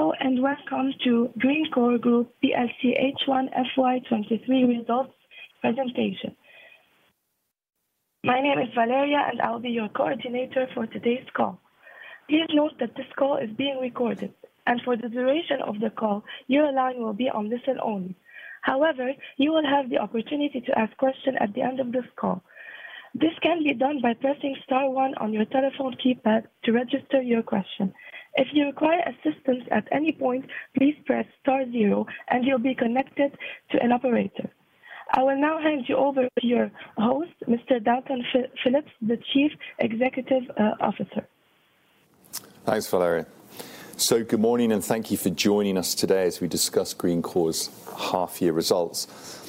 Hello, welcome to Greencore Group plc H1 FY 2023 results presentation. My name is Valeria. I'll be your coordinator for today's call. Please note that this call is being recorded. For the duration of the call, your line will be on listen only. However, you will have the opportunity to ask questions at the end of this call. This can be done by pressing star one on your telephone keypad to register your question. If you require assistance at any point, please press star zero. You'll be connected to an operator. I will now hand you over to your host, Mr. Dalton Philips, the Chief Executive Officer. Thanks, Valeria. Good morning, and thank you for joining us today as we discuss Greencore's half year results.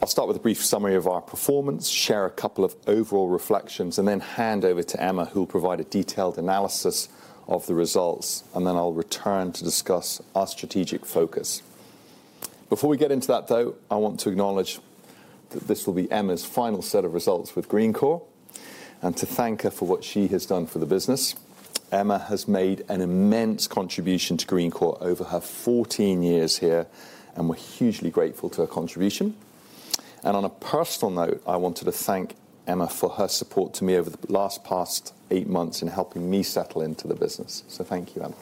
I'll start with a brief summary of our performance, share a couple of overall reflections, and then hand over to Emma, who will provide a detailed analysis of the results, and then I'll return to discuss our strategic focus. Before we get into that, though, I want to acknowledge that this will be Emma's final set of results with Greencore and to thank her for what she has done for the business. Emma has made an immense contribution to Greencore over her 14 years here, and we're hugely grateful to her contribution. On a personal note, I wanted to thank Emma for her support to me over the last past eight months in helping me settle into the business. Thank you, Emma.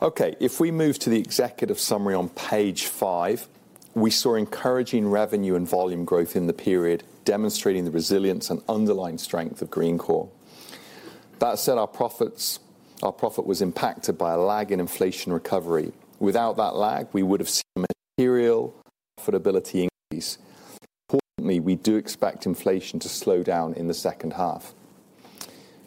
Okay, if we move to the executive summary on page five, we saw encouraging revenue and volume growth in the period, demonstrating the resilience and underlying strength of Greencore. That said, our profit was impacted by a lag in inflation recovery. Without that lag, we would have seen material profitability increase. Importantly, we do expect inflation to slow down in the second half.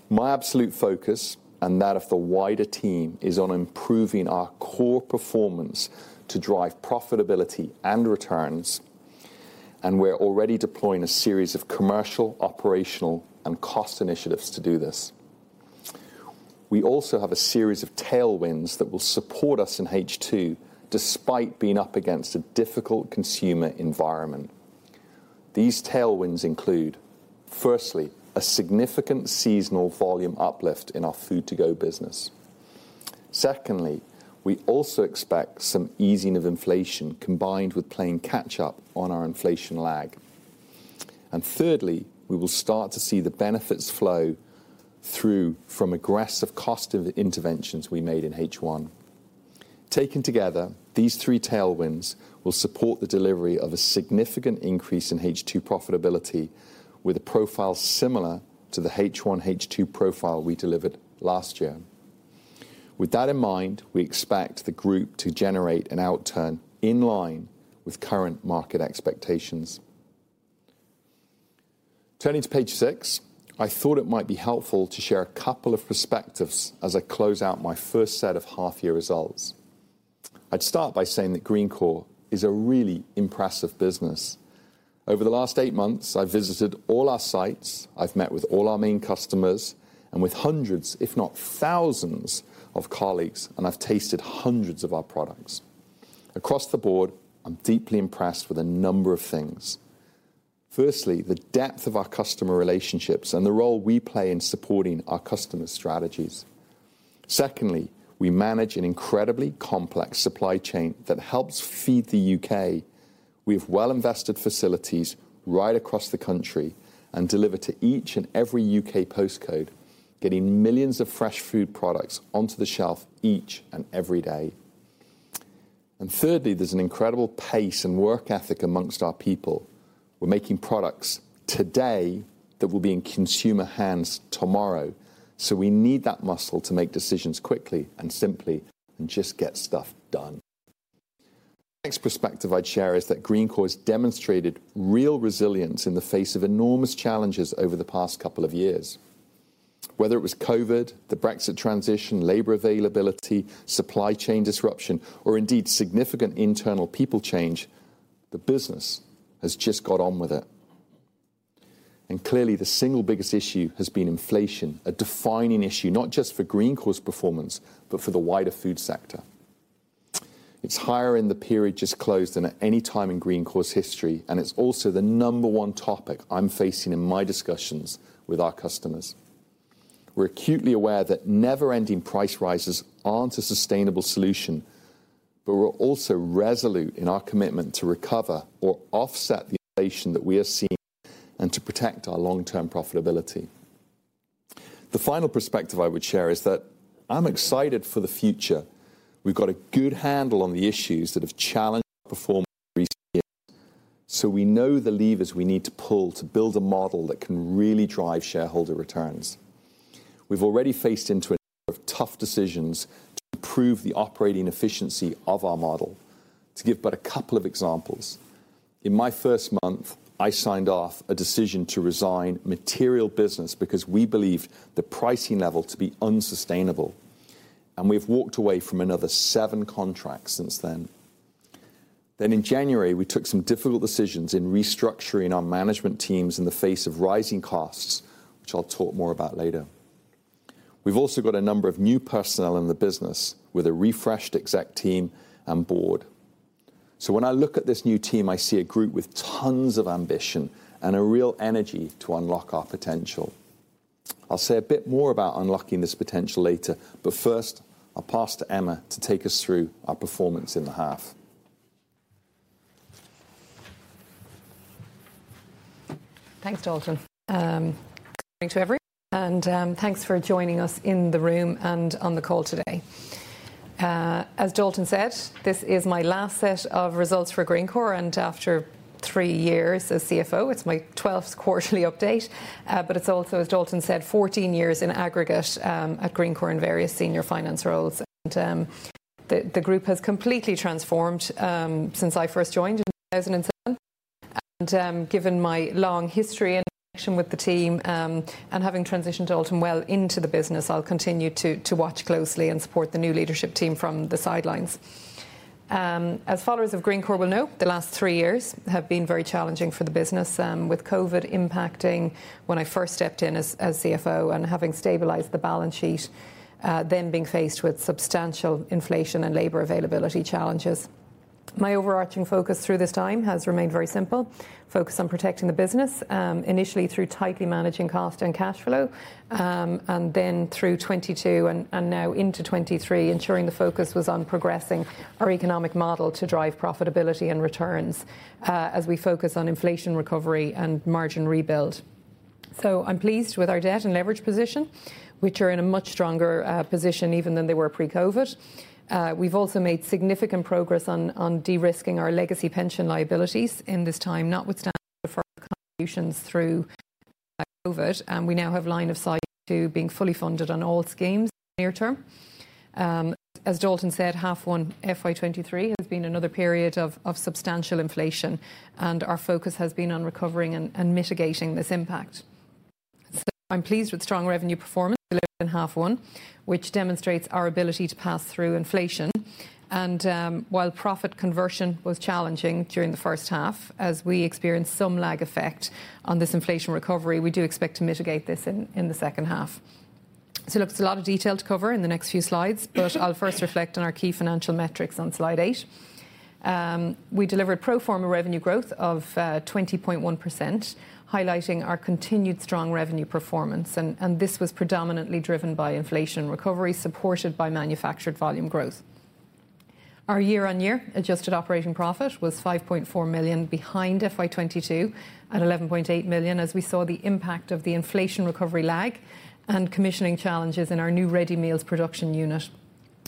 My absolute focus, and that of the wider team, is on improving our core performance to drive profitability and returns, and we're already deploying a series of commercial, operational and cost initiatives to do this. We also have a series of tailwinds that will support us in H2, despite being up against a difficult consumer environment. These tailwinds include, firstly, a significant seasonal volume uplift in our food to go business. Secondly, we also expect some easing of inflation combined with playing catch up on our inflation lag. Thirdly, we will start to see the benefits flow through from aggressive cost of the interventions we made in H1. Taken together, these three tailwinds will support the delivery of a significant increase in H2 profitability, with a profile similar to the H1 H2 profile we delivered last year. With that in mind, we expect the group to generate an outturn in line with current market expectations. Turning to page six, I thought it might be helpful to share a couple of perspectives as I close out my first set of half year results. I'd start by saying that Greencore is a really impressive business. Over the last eight months, I've visited all our sites, I've met with all our main customers, and with hundreds, if not thousands, of colleagues, and I've tasted hundreds of our products. Across the board, I'm deeply impressed with a number of things. Firstly, the depth of our customer relationships and the role we play in supporting our customers' strategies. Secondly, we manage an incredibly complex supply chain that helps feed the U.K. We have well-invested facilities right across the country and deliver to each and every U.K. postcode, getting millions of fresh food products onto the shelf each and every day. Thirdly, there's an incredible pace and work ethic amongst our people. We're making products today that will be in consumer hands tomorrow, so we need that muscle to make decisions quickly and simply and just get stuff done. Next perspective I'd share is that Greencore has demonstrated real resilience in the face of enormous challenges over the past couple of years. Whether it was COVID, the Brexit transition, labor availability, supply chain disruption, or indeed significant internal people change, the business has just got on with it. Clearly, the single biggest issue has been inflation, a defining issue, not just for Greencore's performance, but for the wider food sector. It's higher in the period just closed than at any time in Greencore's history, and it's also the number one topic I'm facing in my discussions with our customers. We're acutely aware that never-ending price rises aren't a sustainable solution. We're also resolute in our commitment to recover or offset the inflation that we are seeing and to protect our long-term profitability. The final perspective I would share is that I'm excited for the future. We've got a good handle on the issues that have challenged performance recent years. We know the levers we need to pull to build a model that can really drive shareholder returns. We've already faced into a number of tough decisions to improve the operating efficiency of our model. To give but a couple of examples: in my first month, I signed off a decision to resign material business because we believe the pricing level to be unsustainable, and we've walked away from another seven contracts since then. In January, we took some difficult decisions in restructuring our management teams in the face of rising costs, which I'll talk more about later. We've also got a number of new personnel in the business with a refreshed exec team and board. When I look at this new team, I see a group with tons of ambition and a real energy to unlock our potential. I'll say a bit more about unlocking this potential later, but first, I'll pass to Emma to take us through our performance in the half. Thanks, Dalton. Good morning to everyone, and thanks for joining us in the room and on the call today. As Dalton said, this is my last set of results for Greencore, and after three years as CFO, it's my 12th quarterly update. It's also, as Dalton said, 14 years in aggregate, at Greencore in various senior finance roles. The group has completely transformed since I first joined in 2007. Given my long history and connection with the team, and having transitioned Dalton well into the business, I'll continue to watch closely and support the new leadership team from the sidelines. As followers of Greencore will know, the last three years have been very challenging for the business, with COVID impacting when I first stepped in as CFO and having stabilized the balance sheet, then being faced with substantial inflation and labor availability challenges. My overarching focus through this time has remained very simple: focus on protecting the business, initially through tightly managing cost and cash flow, and then through 2022 and now into 2023, ensuring the focus was on progressing our economic model to drive profitability and returns, as we focus on inflation recovery and margin rebuild. I'm pleased with our debt and leverage position, which are in a much stronger position even than they were pre-COVID. We've also made significant progress on de-risking our legacy pension liabilities in this time, notwithstanding contributions through COVID, we now have line of sight to being fully funded on all schemes near-term. As Dalton said, half one FY 2023 has been another period of substantial inflation, our focus has been on recovering and mitigating this impact. I'm pleased with strong revenue performance in half one, which demonstrates our ability to pass through inflation. While profit conversion was challenging during the first half, as we experienced some lag effect on this inflation recovery, we do expect to mitigate this in the second half. Look, there's a lot of detail to cover in the next few slides, but I'll first reflect on our key financial metrics on Slide 8. We delivered pro forma revenue growth of 20.1%, highlighting our continued strong revenue performance, and this was predominantly driven by inflation recovery, supported by manufactured volume growth. Our year-on-year adjusted operating profit was 5.4 million behind FY 2022 at 11.8 million, as we saw the impact of the inflation recovery lag and commissioning challenges in our new ready meals production unit.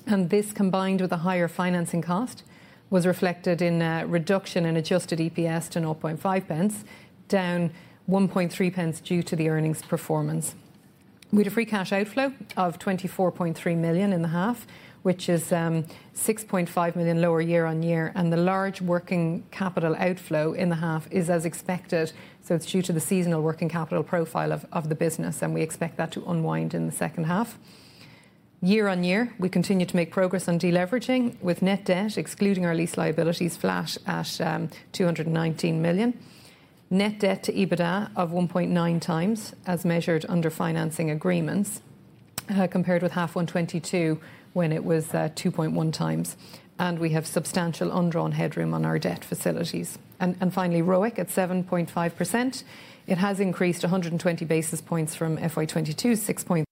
This, combined with a higher financing cost, was reflected in a reduction in adjusted EPS to 0.5 pence, down 1.3 pence due to the earnings performance. We had a free cash outflow of 24.3 million in the half, which is 6.5 million lower year-on-year, the large working capital outflow in the half is as expected, it's due to the seasonal working capital profile of the business, we expect that to unwind in the second half. Year-on-year, we continue to make progress on de-leveraging, with net debt, excluding our lease liabilities, flat at 219 million. Net debt to EBITDA of 1.9 times, as measured under financing agreements, compared with half 1 2022, when it was 2.1 times. We have substantial undrawn headroom on our debt facilities. Finally, ROIC at 7.5%. It has increased 120 basis points from FY 2022, 6.3%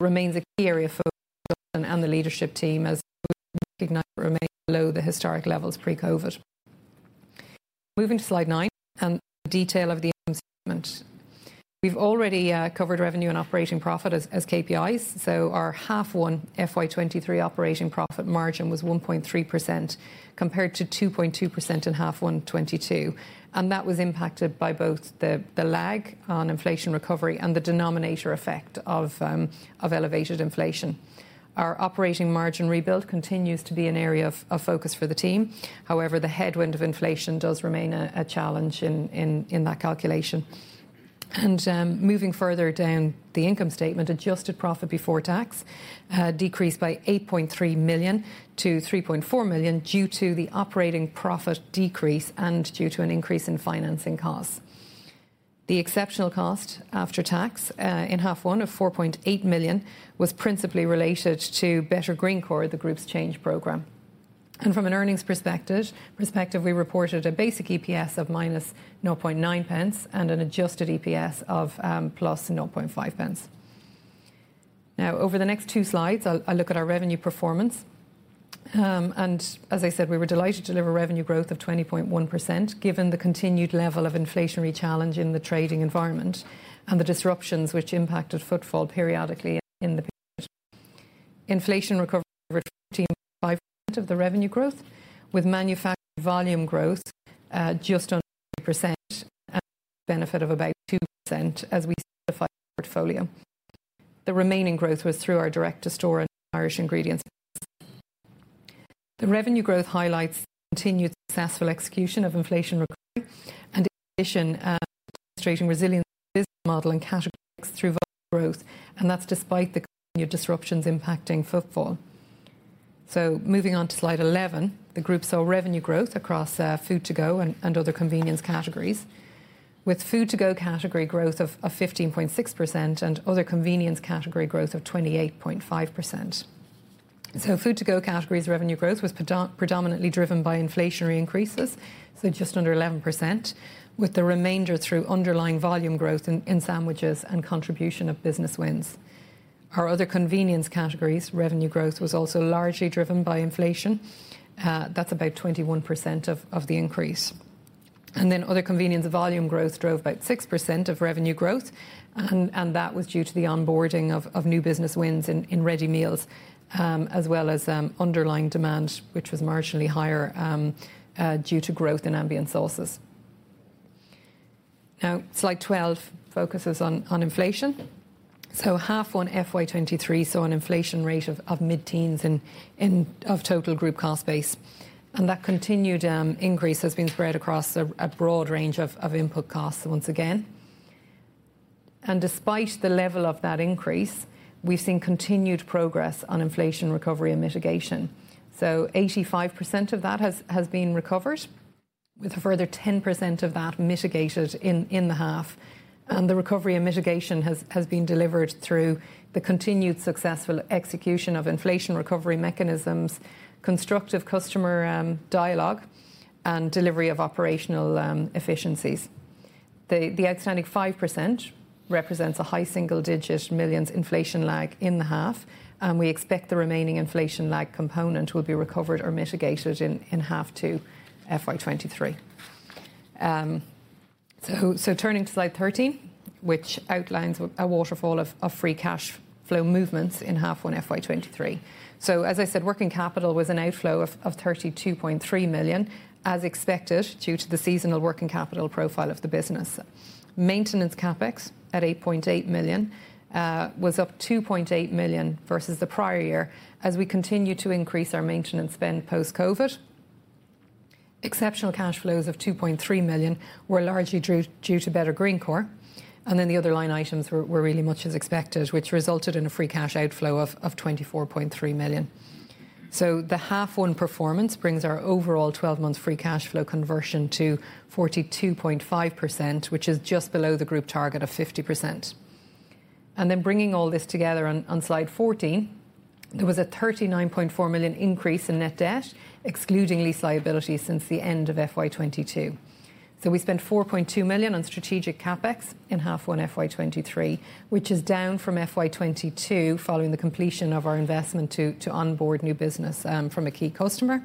remains a key area for Dalton and the leadership team, as recognize remain below the historic levels pre-COVID. Moving to Slide 9 and detail of the income statement. We've already covered revenue and operating profit as KPIs, so our half one FY 2023 operating profit margin was 1.3%, compared to 2.2% in half one 2022. That was impacted by both the lag on inflation recovery and the denominator effect of elevated inflation. Our operating margin rebuild continues to be an area of focus for the team. However, the headwind of inflation does remain a challenge in that calculation. Moving further down the income statement, adjusted profit before tax decreased by 8.3 million to 3.4 million due to the operating profit decrease and due to an increase in financing costs. The exceptional cost after tax in half one of 4.8 million was principally related to Better Greencore, the group's change program. From an earnings perspective, we reported a basic EPS of -0.9 pence and an adjusted EPS of +0.5 pence. Over the next two slides, I'll look at our revenue performance. As I said, we were delighted to deliver revenue growth of 20.1%, given the continued level of inflationary challenge in the trading environment and the disruptions which impacted footfall periodically in the period. Inflation recovery of the revenue growth, with manufactured volume growth, just under 20% and benefit of about 2% as we portfolio. The remaining growth was through our Direct to Store and Irish ingredients. The revenue growth highlights continued successful execution of inflation recovery and in addition, demonstrating resilience model and categories through growth, and that's despite the continued disruptions impacting footfall. Moving on to Slide 11, the group saw revenue growth across food to go and other convenience categories with food to go category growth of 15.6% and other convenience category growth of 28.5%. Food to go categories revenue growth was predominantly driven by inflationary increases, just under 11%, with the remainder through underlying volume growth in sandwiches and contribution of business wins. Our other convenience categories, revenue growth was also largely driven by inflation. That's about 21% of the increase. Other convenience volume growth drove about 6% of revenue growth, and that was due to the onboarding of new business wins in ready meals, as well as underlying demand, which was marginally higher due to growth in ambient sauces. Slide 12 focuses on inflation. H1 FY 2023 saw an inflation rate of mid-teens of total group cost base. That continued increase has been spread across a broad range of input costs once again. Despite the level of that increase, we've seen continued progress on inflation recovery and mitigation. 85% of that has been recovered, with a further 10% of that mitigated in the half. The recovery and mitigation has been delivered through the continued successful execution of inflation recovery mechanisms, constructive customer dialogue, and delivery of operational efficiencies. The outstanding 5% represents a high single-digit millions inflation lag in the half, and we expect the remaining inflation lag component will be recovered or mitigated in half to FY 2023. Turning to Slide 13, which outlines a waterfall of free cash flow movements in half one FY 2023. As I said, working capital was an outflow of 32.3 million, as expected, due to the seasonal working capital profile of the business. Maintenance CapEx, at 8.8 million, was up 2.8 million versus the prior year, as we continue to increase our maintenance spend post-COVID. Exceptional cash flows of 2.3 million were largely due to Better Greencore, and the other line items were really much as expected, which resulted in a free cash outflow of 24.3 million. The H1 performance brings our overall 12-month free cash flow conversion to 42.5%, which is just below the group target of 50%. Bringing all this together on Slide 14, there was a 39.4 million increase in net debt, excluding lease liability since the end of FY 2022. We spent 4.2 million on strategic CapEx in H1 FY 2023, which is down from FY 2022, following the completion of our investment to onboard new business from a key customer.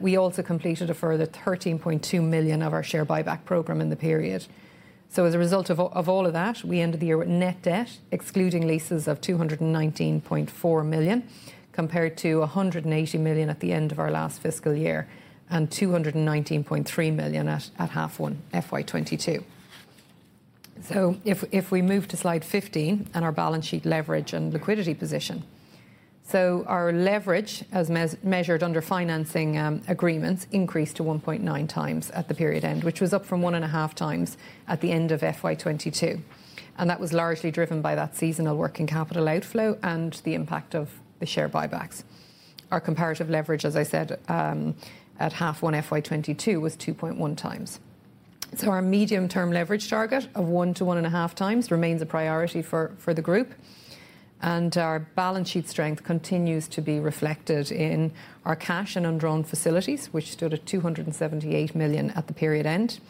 We also completed a further 13.2 million of our share buyback program in the period. As a result of all of that, we ended the year with net debt, excluding leases, of 219.4 million, compared to 180 million at the end of our last fiscal year, and 219.3 million at H1 FY 2022. If we move to Slide 15 on our balance sheet leverage and liquidity position. Our leverage, as measured under financing agreements, increased to 1.9x at the period end, which was up from 1.5x at the end of FY 2022, and that was largely driven by that seasonal working capital outflow and the impact of the share buybacks. Our comparative leverage, as I said, at H1 FY 2022, was 2.1x. Our medium-term leverage target of 1x to 1.5x remains a priority for the group. Our balance sheet strength continues to be reflected in our cash and undrawn facilities, which stood at 278 million at the period end.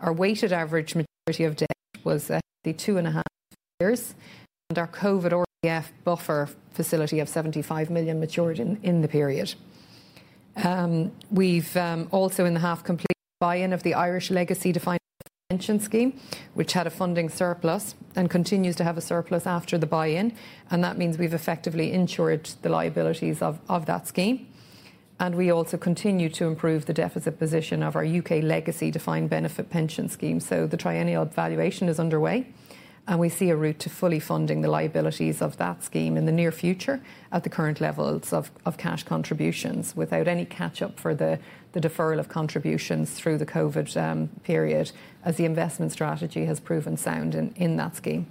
Our weighted average maturity of debt was at two and a half years, and our COVID RCF buffer facility of 75 million matured in the period. We've also in the half completed buy-in of the Irish legacy defined pension scheme, which had a funding surplus and continues to have a surplus after the buy-in. That means we've effectively insured the liabilities of that scheme. We also continue to improve the deficit position of our U.K. legacy defined benefit pension scheme. The triennial valuation is underway, and we see a route to fully funding the liabilities of that scheme in the near future at the current levels of cash contributions, without any catch-up for the deferral of contributions through the COVID period, as the investment strategy has proven sound in that scheme.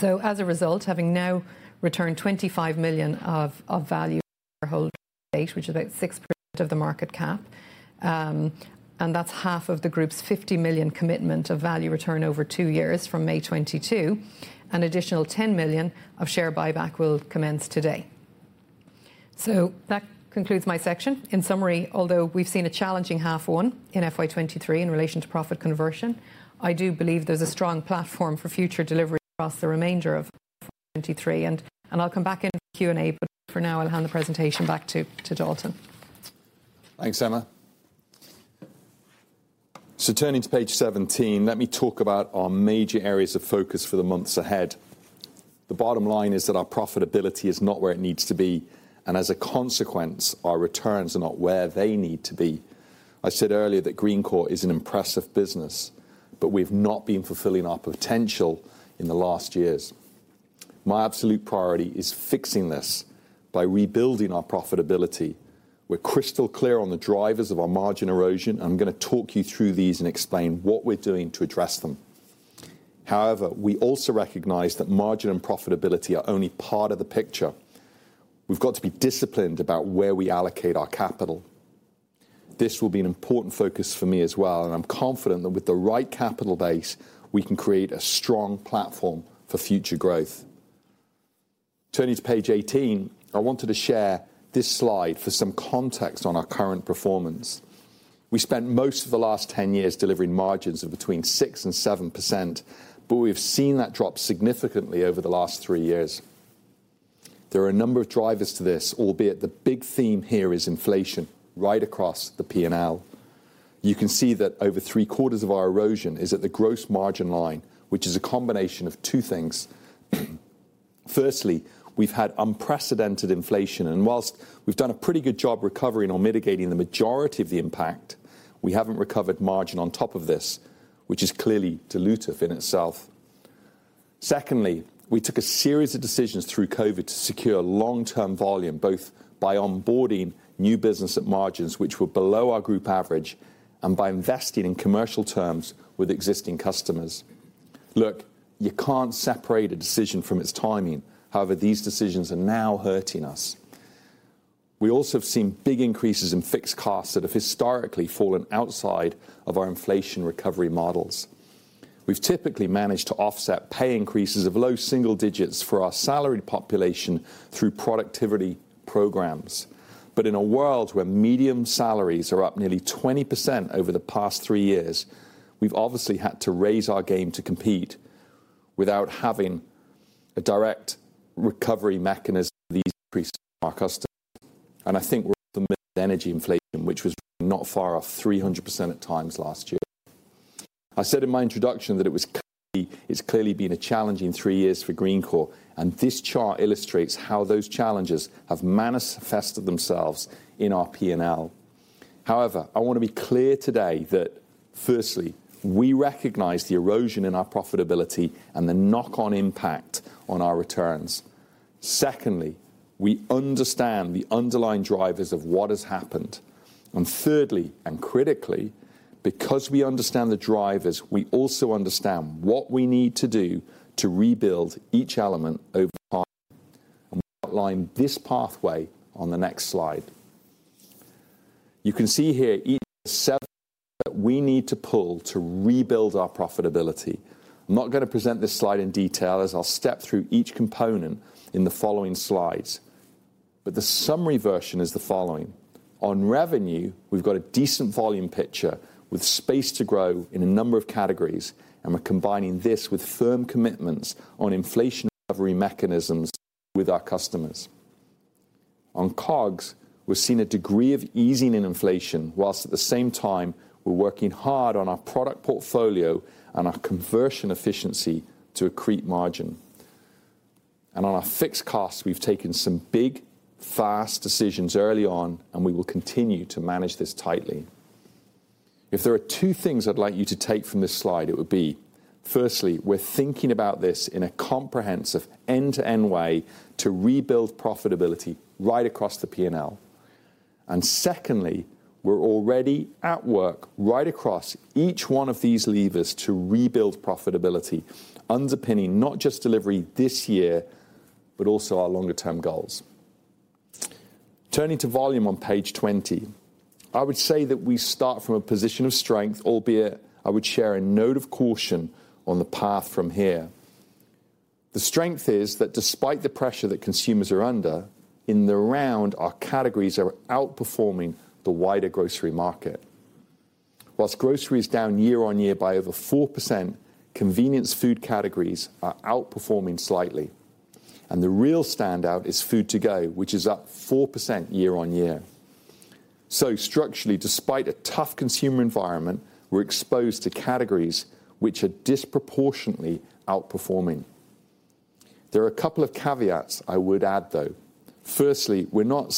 As a result, having now returned 25 million of value shareholder date, which is about 6% of the market cap, and that's half of the group's 50 million commitment of value return over two years from May 2022. An additional 10 million of share buyback will commence today. That concludes my section. In summary, although we've seen a challenging half one in FY 2023 in relation to profit conversion, I do believe there's a strong platform for future delivery across the remainder of FY 2023, and I'll come back in the Q&A, but for now, I'll hand the presentation back to Dalton. Thanks, Emma. Turning to page 17, let me talk about our major areas of focus for the months ahead. The bottom line is that our profitability is not where it needs to be, and as a consequence, our returns are not where they need to be. I said earlier that Greencore is an impressive business, but we've not been fulfilling our potential in the last years. My absolute priority is fixing this by rebuilding our profitability. We're crystal clear on the drivers of our margin erosion, and I'm gonna talk you through these and explain what we're doing to address them. However, we also recognize that margin and profitability are only part of the picture. We've got to be disciplined about where we allocate our capital. This will be an important focus for me as well, and I'm confident that with the right capital base, we can create a strong platform for future growth. Turning to page 18, I wanted to share this slide for some context on our current performance. We spent most of the last 10 years delivering margins of between 6 and 7%, but we've seen that drop significantly over the last three years. There are a number of drivers to this, albeit the big theme here is inflation, right across the P&L. You can see that over three-quarters of our erosion is at the gross margin line, which is a combination of two things. Firstly, we've had unprecedented inflation, and whilst we've done a pretty good job recovering or mitigating the majority of the impact, we haven't recovered margin on top of this, which is clearly dilutive in itself. Secondly, we took a series of decisions through COVID to secure long-term volume, both by onboarding new business at margins which were below our group average and by investing in commercial terms with existing customers. Look, you can't separate a decision from its timing. However, these decisions are now hurting us. We also have seen big increases in fixed costs that have historically fallen outside of our inflation recovery models. We've typically managed to offset pay increases of low single digits for our salaried population through productivity programs. In a world where medium salaries are up nearly 20% over the past three years, we've obviously had to raise our game to compete without having a direct recovery mechanism increase our customer. I think we're energy inflation, which was not far off 300% at times last year. I said in my introduction that it's clearly been a challenging three years for Greencore, and this chart illustrates how those challenges have manifested themselves in our P&L. However, I want to be clear today that, firstly, we recognize the erosion in our profitability and the knock-on impact on our returns. Secondly, we understand the underlying drivers of what has happened. Thirdly, and critically, because we understand the drivers, we also understand what we need to do to rebuild each element over time, and we outline this pathway on the next slide. You can see here each step that we need to pull to rebuild our profitability. I'm not going to present this slide in detail, as I'll step through each component in the following slides, but the summary version is the following: On revenue, we've got a decent volume picture with space to grow in a number of categories, and we're combining this with firm commitments on inflation recovery mechanisms with our customers. On COGS, we're seeing a degree of easing in inflation, while at the same time, we're working hard on our product portfolio and our conversion efficiency to accrete margin. On our fixed costs, we've taken some big, fast decisions early on, and we will continue to manage this tightly. If there are two things I'd like you to take from this slide, it would be, firstly, we're thinking about this in a comprehensive end-to-end way to rebuild profitability right across the P&L. Secondly, we're already at work right across each one of these levers to rebuild profitability, underpinning not just delivery this year, but also our longer term goals. Turning to volume on page 20, I would say that we start from a position of strength, albeit I would share a note of caution on the path from here. The strength is that despite the pressure that consumers are under, in the round, our categories are outperforming the wider grocery market. Whilst grocery is down year-on-year by over 4%, convenience food categories are outperforming slightly, and the real standout is food to go, which is up 4% year-on-year. Structurally, despite a tough consumer environment, we're exposed to categories which are disproportionately outperforming. There are a couple of caveats I would add, though. Firstly, we're now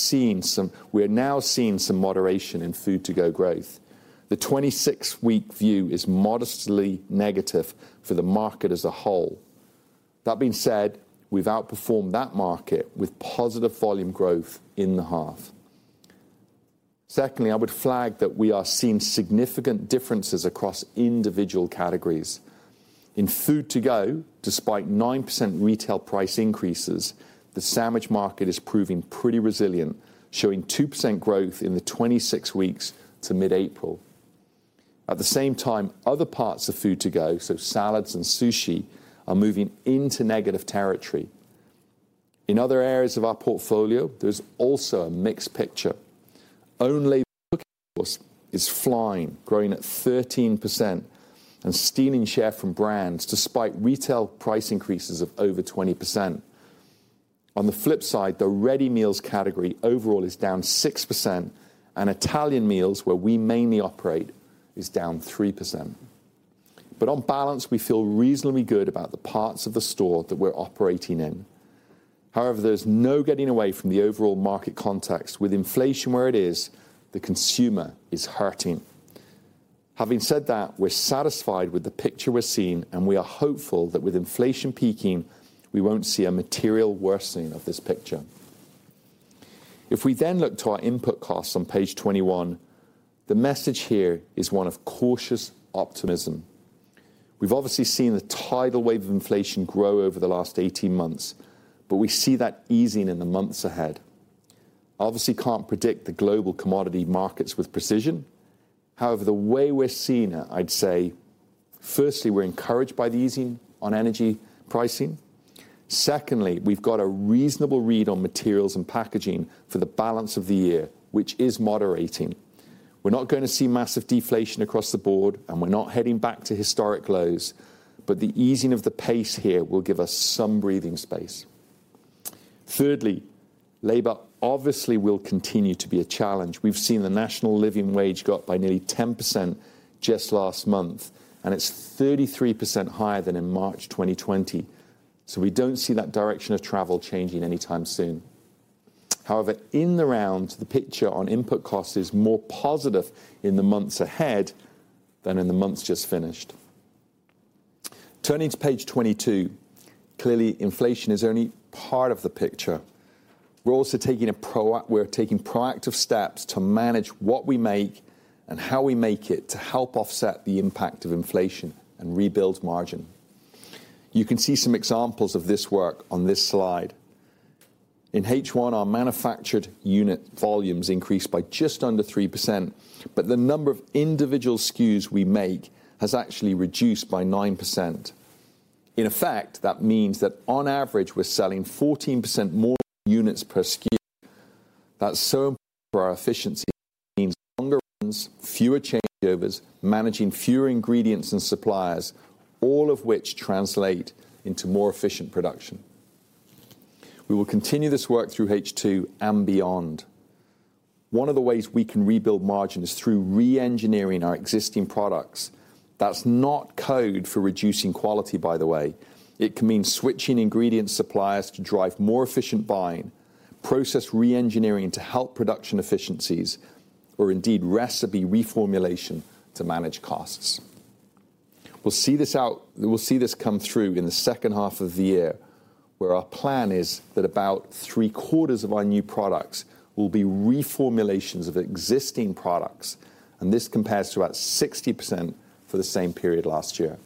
seeing some moderation in food to go growth. The 26-week view is modestly negative for the market as a whole. That being said, we've outperformed that market with positive volume growth in the half. Secondly, I would flag that we are seeing significant differences across individual categories. In food to go, despite 9% retail price increases, the sandwich market is proving pretty resilient, showing 2% growth in the 26 weeks to mid-April. At the same time, other parts of food to go, so salads and sushi, are moving into negative territory. In other areas of our portfolio, there's also a mixed picture. Own label is flying, growing at 13% and stealing share from brands despite retail price increases of over 20%. On the flip side, the ready meals category overall is down 6%, and Italian meals, where we mainly operate, is down 3%. On balance, we feel reasonably good about the parts of the store that we're operating in. However, there's no getting away from the overall market context. With inflation where it is, the consumer is hurting. Having said that, we're satisfied with the picture we're seeing, and we are hopeful that with inflation peaking, we won't see a material worsening of this picture. If we look to our input costs on page 21, the message here is one of cautious optimism. We've obviously seen the tidal wave of inflation grow over the last 18 months, but we see that easing in the months ahead. Obviously, can't predict the global commodity markets with precision, however, the way we're seeing it, I'd say, firstly, we're encouraged by the easing on energy pricing. Secondly, we've got a reasonable read on materials and packaging for the balance of the year, which is moderating. We're not going to see massive deflation across the board, and we're not heading back to historic lows, but the easing of the pace here will give us some breathing space. Thirdly, labor obviously will continue to be a challenge. We've seen the National Living Wage go up by nearly 10% just last month, and it's 33% higher than in March 2020. We don't see that direction of travel changing anytime soon. However, in the round, the picture on input costs is more positive in the months ahead than in the months just finished. Turning to page 22, clearly inflation is only part of the picture. We're also taking proactive steps to manage what we make and how we make it, to help offset the impact of inflation and rebuild margin. You can see some examples of this work on this slide. In H1, our manufactured unit volumes increased by just under 3%, but the number of individual SKUs we make has actually reduced by 9%. In effect, that means that on average, we're selling 14% more units per SKU. That's so important for our efficiency. It means longer runs, fewer changeovers, managing fewer ingredients and suppliers, all of which translate into more efficient production. We will continue this work through H2 and beyond. One of the ways we can rebuild margin is through re-engineering our existing products. That's not code for reducing quality, by the way. It can mean switching ingredient suppliers to drive more efficient buying, process re-engineering to help production efficiencies, or indeed, recipe reformulation to manage costs. We'll see this come through in the second half of the year, where our plan is that about three-quarters of our new products will be reformulations of existing products. This compares to about 60% for the same period last year.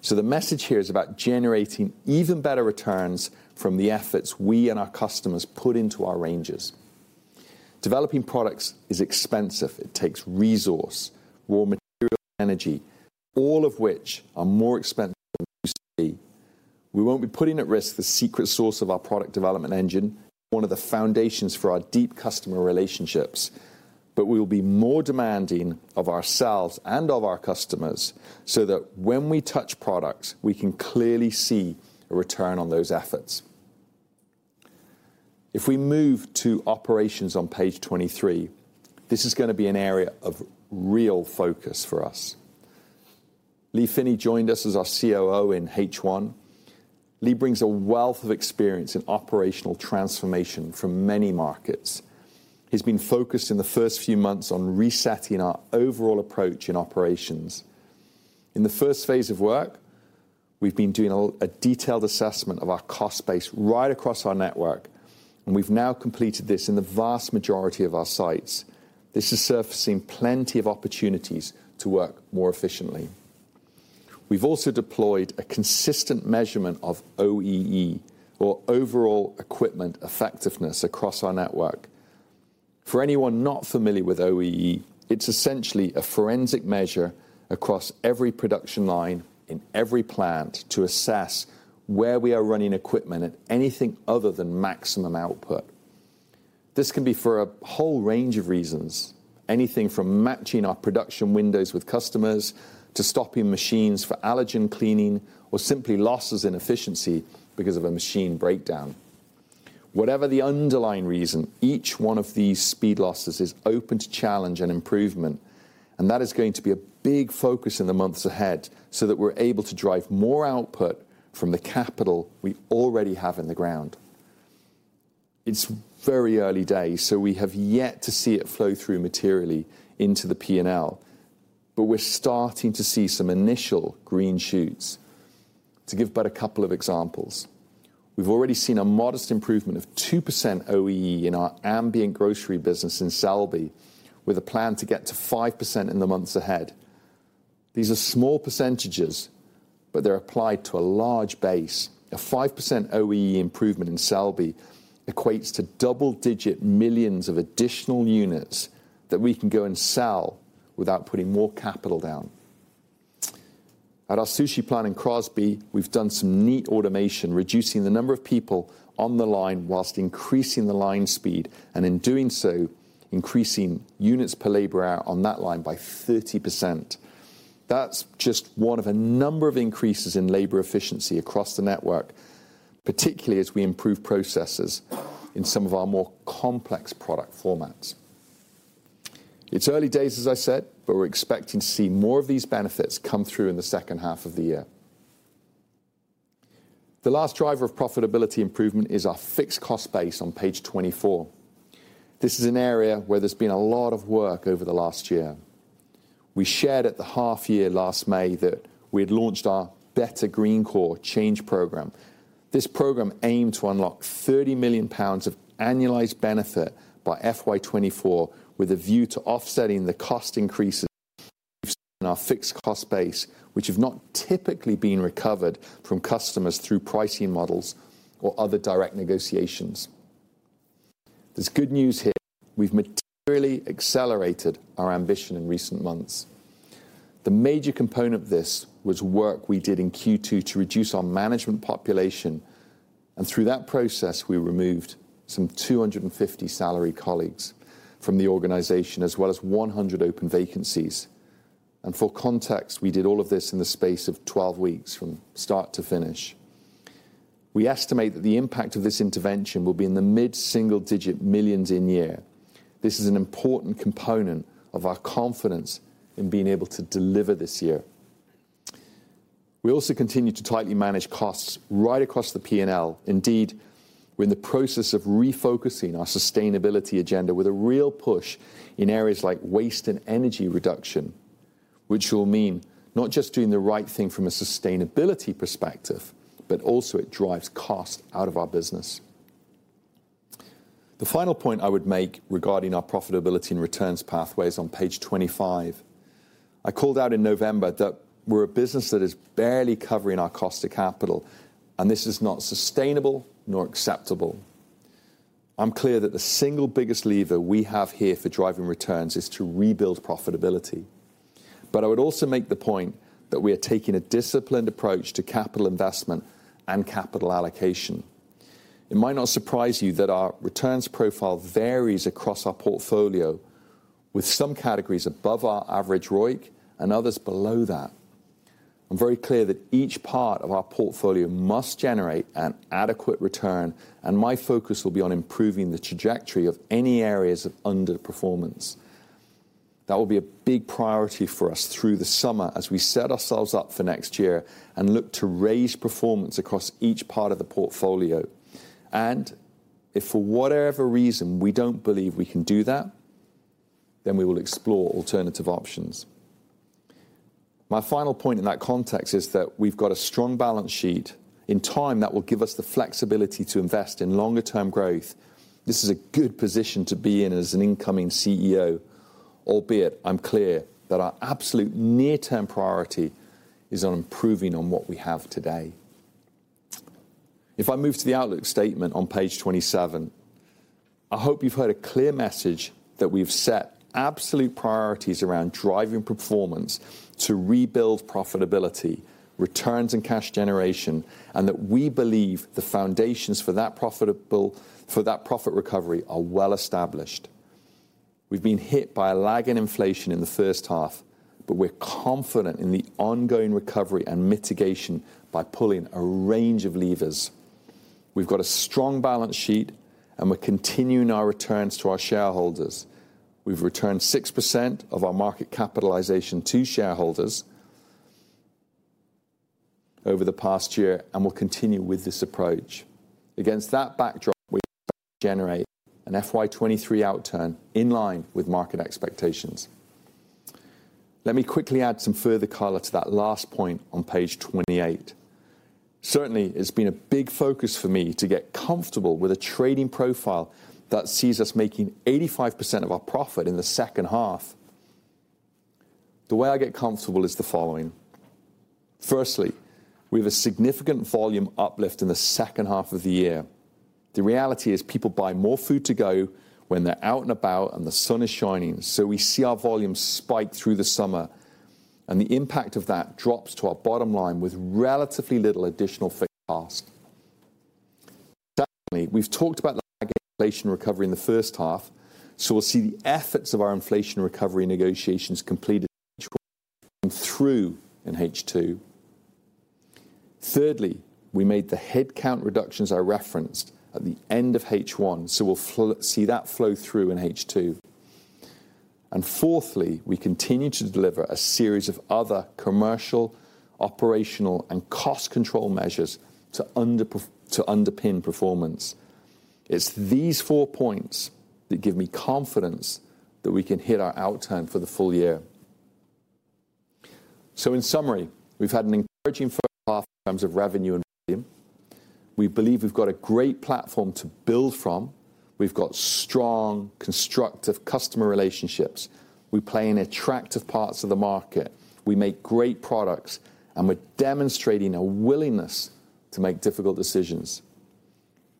The message here is about generating even better returns from the efforts we and our customers put into our ranges. Developing products is expensive. It takes resource, raw material, energy, all of which are more expensive than they used to be. We won't be putting at risk the secret source of our product development engine, one of the foundations for our deep customer relationships, but we will be more demanding of ourselves and of our customers, so that when we touch products, we can clearly see a return on those efforts. If we move to operations on page 23, this is going to be an area of real focus for us. Lee Finney joined us as our COO in H1. Lee brings a wealth of experience in operational transformation from many markets. He's been focused in the first few months on resetting our overall approach in operations. In the first phase of work, we've been doing a detailed assessment of our cost base right across our network, and we've now completed this in the vast majority of our sites. This is surfacing plenty of opportunities to work more efficiently. We've also deployed a consistent measurement of OEE, or overall equipment effectiveness, across our network. For anyone not familiar with OEE, it's essentially a forensic measure across every production line in every plant to assess where we are running equipment at anything other than maximum output. This can be for a whole range of reasons, anything from matching our production windows with customers, to stopping machines for allergen cleaning, or simply losses in efficiency because of a machine breakdown. Whatever the underlying reason, each one of these speed losses is open to challenge and improvement, and that is going to be a big focus in the months ahead, so that we're able to drive more output from the capital we already have in the ground. It's very early days, we have yet to see it flow through materially into the P&L, but we're starting to see some initial green shoots. To give but a couple of examples, we've already seen a modest improvement of 2% OEE in our ambient grocery business in Selby, with a plan to get to 5% in the months ahead. These are small percentages, but they're applied to a large base. A 5% OEE improvement in Selby equates to double-digit millions of additional units that we can go and sell without putting more capital down. At our sushi plant in Crosby, we've done some neat automation, reducing the number of people on the line while increasing the line speed, and in doing so, increasing units per labor hour on that line by 30%. That's just one of a number of increases in labor efficiency across the network, particularly as we improve processes in some of our more complex product formats. It's early days, as I said, we're expecting to see more of these benefits come through in the second half of the year. The last driver of profitability improvement is our fixed cost base on page 24. This is an area where there's been a lot of work over the last year. We shared at the half year last May that we had launched our Better Greencore Change Program. This program aimed to unlock 30 million pounds of annualized benefit by FY 2024, with a view to offsetting the cost increases in our fixed cost base, which have not typically been recovered from customers through pricing models or other direct negotiations. There's good news here. We've materially accelerated our ambition in recent months. The major component of this was work we did in Q2 to reduce our management population, and through that process, we removed some 250 salaried colleagues from the organization, as well as 100 open vacancies. For context, we did all of this in the space of 12 weeks from start to finish. We estimate that the impact of this intervention will be in the mid-single-digit millions in year. This is an important component of our confidence in being able to deliver this year. We also continue to tightly manage costs right across the P&L. Indeed, we're in the process of refocusing our sustainability agenda with a real push in areas like waste and energy reduction, which will mean not just doing the right thing from a sustainability perspective, but also it drives cost out of our business. The final point I would make regarding our profitability and returns pathways on page 25. I called out in November that we're a business that is barely covering our cost of capital, and this is not sustainable nor acceptable. I'm clear that the single biggest lever we have here for driving returns is to rebuild profitability. I would also make the point that we are taking a disciplined approach to capital investment and capital allocation. It might not surprise you that our returns profile varies across our portfolio, with some categories above our average ROIC and others below that. I'm very clear that each part of our portfolio must generate an adequate return, and my focus will be on improving the trajectory of any areas of underperformance. That will be a big priority for us through the summer as we set ourselves up for next year and look to raise performance across each part of the portfolio. If for whatever reason, we don't believe we can do that, then we will explore alternative options. My final point in that context is that we've got a strong balance sheet. In time, that will give us the flexibility to invest in longer-term growth. This is a good position to be in as an incoming CEO, albeit I'm clear that our absolute near-term priority is on improving on what we have today. If I move to the outlook statement on page 27, I hope you've heard a clear message that we've set absolute priorities around driving performance to rebuild profitability, returns and cash generation, that we believe the foundations for that profit recovery are well established. We've been hit by a lag in inflation in the first half, we're confident in the ongoing recovery and mitigation by pulling a range of levers. We've got a strong balance sheet, we're continuing our returns to our shareholders. We've returned 6% of our market capitalization to shareholders over the past year, we'll continue with this approach. Against that backdrop, we generate an FY 2023 outturn in line with market expectations. Let me quickly add some further color to that last point on page 28. Certainly, it's been a big focus for me to get comfortable with a trading profile that sees us making 85% of our profit in the second half. The way I get comfortable is the following: firstly, we have a significant volume uplift in the second half of the year. The reality is people buy more food to go when they're out and about and the sun is shining. We see our volumes spike through the summer, and the impact of that drops to our bottom line with relatively little additional fixed cost. Secondly, we've talked about the inflation recovery in the first half, so we'll see the efforts of our inflation recovery negotiations completed through in H2. Thirdly, we made the headcount reductions I referenced at the end of H1, so we'll see that flow through in H2. Fourthly, we continue to deliver a series of other commercial, operational and cost control measures to underpin performance. It's these four points that give me confidence that we can hit our outturn for the full year. In summary, we've had an encouraging first half in terms of revenue and volume. We believe we've got a great platform to build from. We've got strong, constructive customer relationships. We play in attractive parts of the market. We make great products, and we're demonstrating a willingness to make difficult decisions.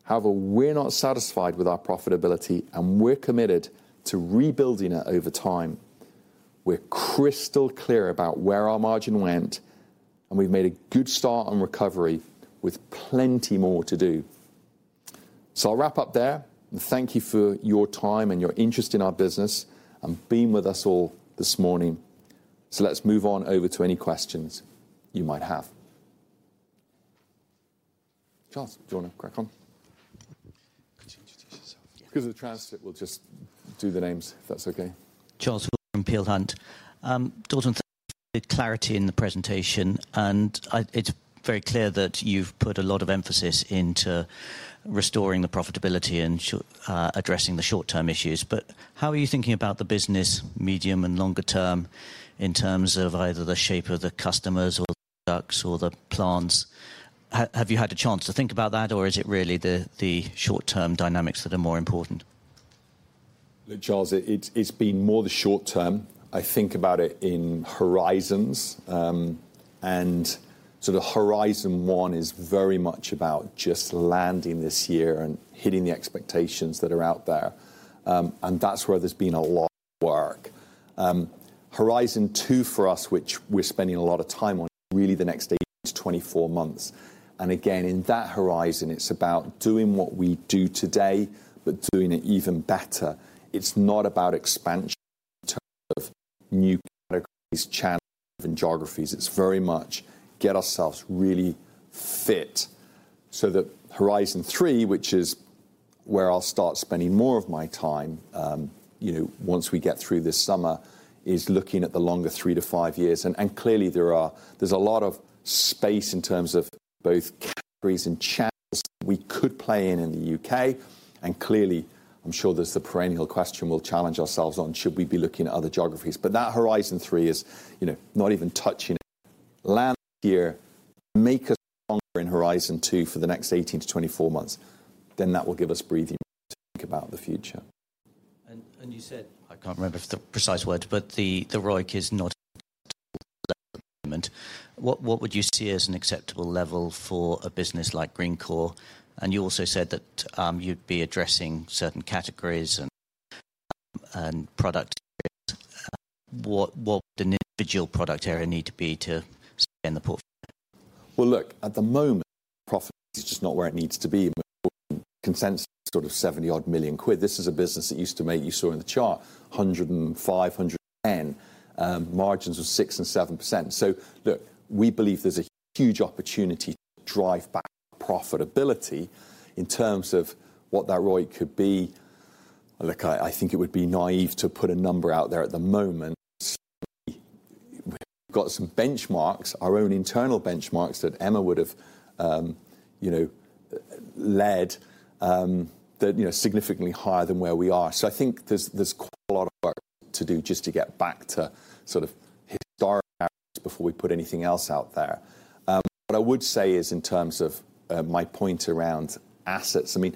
However, we're not satisfied with our profitability, and we're committed to rebuilding it over time. We're crystal clear about where our margin went, and we've made a good start on recovery, with plenty more to do. I'll wrap up there and thank you for your time and your interest in our business and being with us all this morning. Let's move on over to any questions you might have. Charles, do you want to crack on? Could you introduce yourself? Because the transcript will just do the names, if that's okay. Charles Hall from Peel Hunt. Dalton, the clarity in the presentation, and I, it's very clear that you've put a lot of emphasis into restoring the profitability and addressing the short-term issues. How are you thinking about the business medium and longer term in terms of either the shape of the customers or the products or the plants? Have you had a chance to think about that, or is it really the short-term dynamics that are more important? Look, Charles, it's been more the short term. I think about it in horizons. The horizon one is very much about just landing this year and hitting the expectations that are out there. Horizon two for us, which we're spending a lot of time on, really the next eight to 24 months. Again, in that horizon, it's about doing what we do today, but doing it even better. It's not about expansion in terms of new categories, channels, and geographies. It's very much get ourselves really fit so that horizon three, which is where I'll start spending more of my time, you know, once we get through this summer, is looking at the longer three to five years. Clearly, there's a lot of space in terms of both categories and channels we could play in the U.K. Clearly, I'm sure there's the perennial question we'll challenge ourselves on, should we be looking at other geographies? That horizon three is, you know, not even touching it. Land here, make us stronger in horizon two for the next 18 to 24 months, that will give us breathing to think about the future. You said, I can't remember the precise word, but the ROIC is not. What would you see as an acceptable level for a business like Greencore? You also said that, you'd be addressing certain categories and product areas. What would an individual product area need to be to stay in the portfolio? Look, at the moment, profit is just not where it needs to be. Consensus, sort of 70 million quid odd. This is a business that used to make. You saw in the chart, 105 million, 110 million. Margins were 6% and 7%. Look, we believe there's a huge opportunity to drive back profitability. In terms of what that ROIC could be, look, I think it would be naive to put a number out there at the moment. We've got some benchmarks, our own internal benchmarks, that Emma would have, you know, led, that, you know, are significantly higher than where we are. I think there's quite a lot of work to do just to get back to sort of historical averages before we put anything else out there. What I would say is in terms of my point around assets, I mean,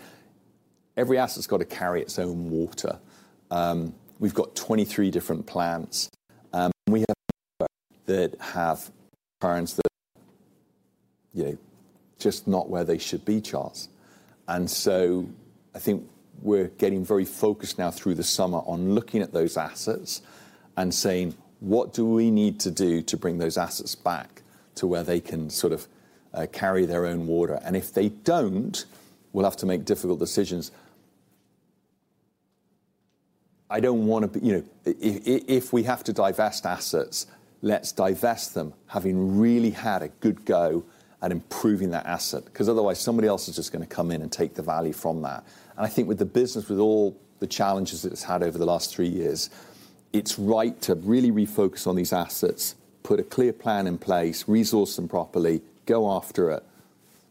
every asset's got to carry its own water. We've got 23 different plants, we have that have parents that, you know, just not where they should be, Charles. I think we're getting very focused now through the summer on looking at those assets and saying: What do we need to do to bring those assets back to where they can sort of carry their own water? If they don't, we'll have to make difficult decisions. I don't want to be, you know... if we have to divest assets, let's divest them, having really had a good go at improving that asset, 'cause otherwise somebody else is just gonna come in and take the value from that. I think with the business, with all the challenges that it's had over the last three years, it's right to really refocus on these assets, put a clear plan in place, resource them properly, go after it.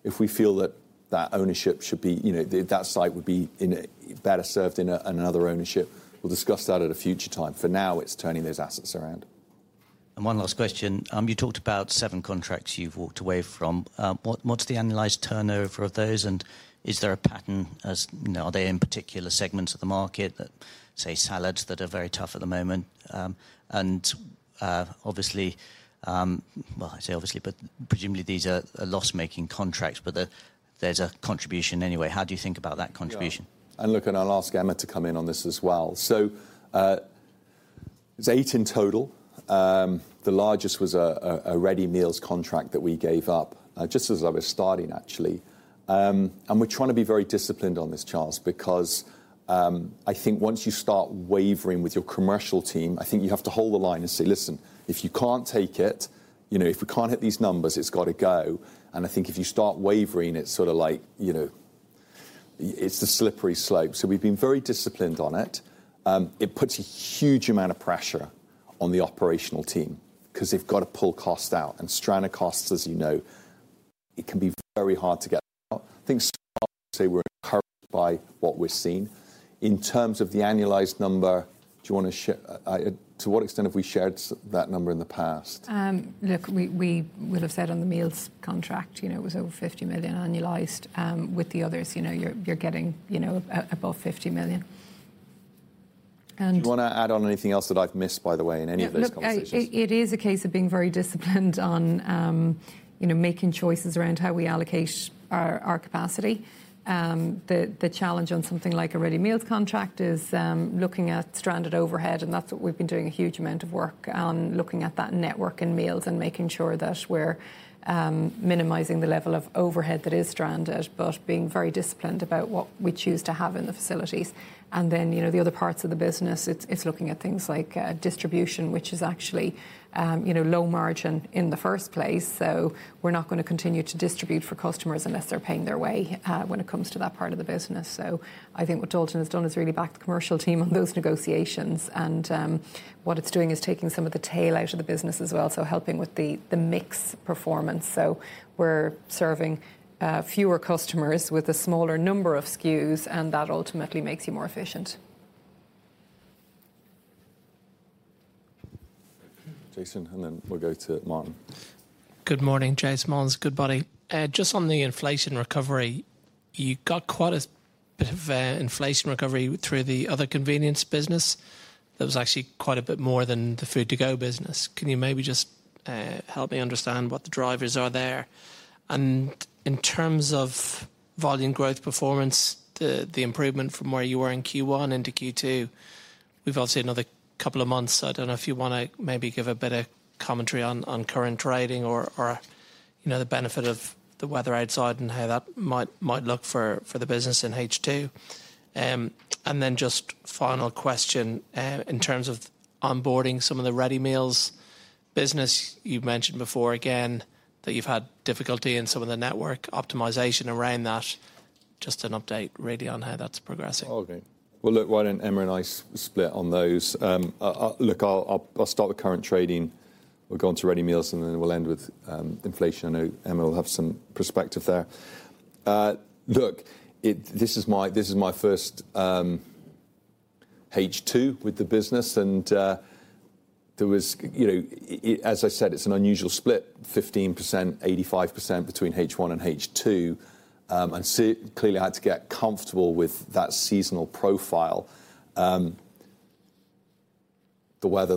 If we feel that ownership should be, you know, that site would be in another ownership, we'll discuss that at a future time. For now, it's turning those assets around. One last question. You talked about seven contracts you've walked away from. What's the annualized turnover of those, and is there a pattern? You know, are they in particular segments of the market, that, say, salads that are very tough at the moment? Obviously, well, I say obviously, but presumably these are loss-making contracts, but there's a contribution anyway. How do you think about that contribution? Yeah. Look, I'll ask Emma to come in on this as well. There's eight in total. The largest was a ready meals contract that we gave up just as I was starting, actually. We're trying to be very disciplined on this, Charles, because I think once you start wavering with your commercial team, I think you have to hold the line and say: "Listen, if you can't take it, you know, if we can't hit these numbers, it's got to go." I think if you start wavering, it's sort of like, you know, it's the slippery slope. We've been very disciplined on it. It puts a huge amount of pressure on the operational team, 'cause they've got to pull cost out. Stranded costs, as you know, it can be very hard to get out. Things... Say, we're encouraged by what we're seeing. In terms of the annualized number, to what extent have we shared that number in the past? Look, we would have said on the meals contract, you know, it was over 50 million annualized. With the others, you know, you're getting, you know, above 50 million. Do you want to add on anything else that I've missed, by the way, in any of those conversations? Yeah, look, it is a case of being very disciplined on, you know, making choices around how we allocate our capacity. The challenge on something like a ready meals contract is looking at stranded overhead, and that's what we've been doing a huge amount of work, looking at that network in meals and making sure that we're minimizing the level of overhead that is stranded, but being very disciplined about what we choose to have in the facilities. The other parts of the business, it's looking at things like distribution, which is actually, you know, low margin in the first place. We're not gonna continue to distribute for customers unless they're paying their way, when it comes to that part of the business. I think what Dalton has done is really back the commercial team on those negotiations, and what it's doing is taking some of the tail out of the business as well, so helping with the mix performance. We're serving fewer customers with a smaller number of SKUs, and that ultimately makes you more efficient. Jason, and then we'll go to Molins. Good morning, Jason Molins, Goodbody. Just on the inflation recovery, you got quite a bit of inflation recovery through the Other Convenience business. That was actually quite a bit more than the Food to Go business. Can you maybe just help me understand what the drivers are there? In terms of volume growth performance, the improvement from where you were in Q1 into Q2, we've obviously another couple of months. I don't know if you wanna maybe give a bit of commentary on current trading or, you know, the benefit of the weather outside and how that might look for the business in H2. Just final question, in terms of onboarding some of the ready meals business, you've mentioned before, again, that you've had difficulty in some of the network optimization around that. Just an update really on how that's progressing. Okay. Well, look, why don't Emma and I split on those? Look, I'll start with current trading. We'll go on to ready meals, and then we'll end with inflation. I know Emma will have some perspective there. Look, this is my first H2 with the business, and there was, you know, as I said, it's an unusual split, 15%, 85% between H1 and H2. Clearly, I had to get comfortable with that seasonal profile. The weather,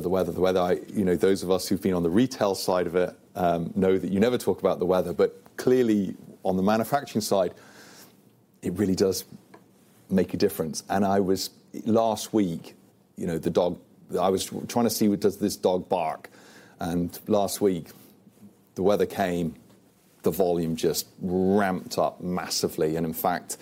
I... You know, those of us who've been on the retail side of it, know that you never talk about the weather. But clearly, on the manufacturing side, it really does make a difference. I was, last week, you know, the dog... I was trying to see, does this dog bark? Last week, the weather came, the volume just ramped up massively. In fact,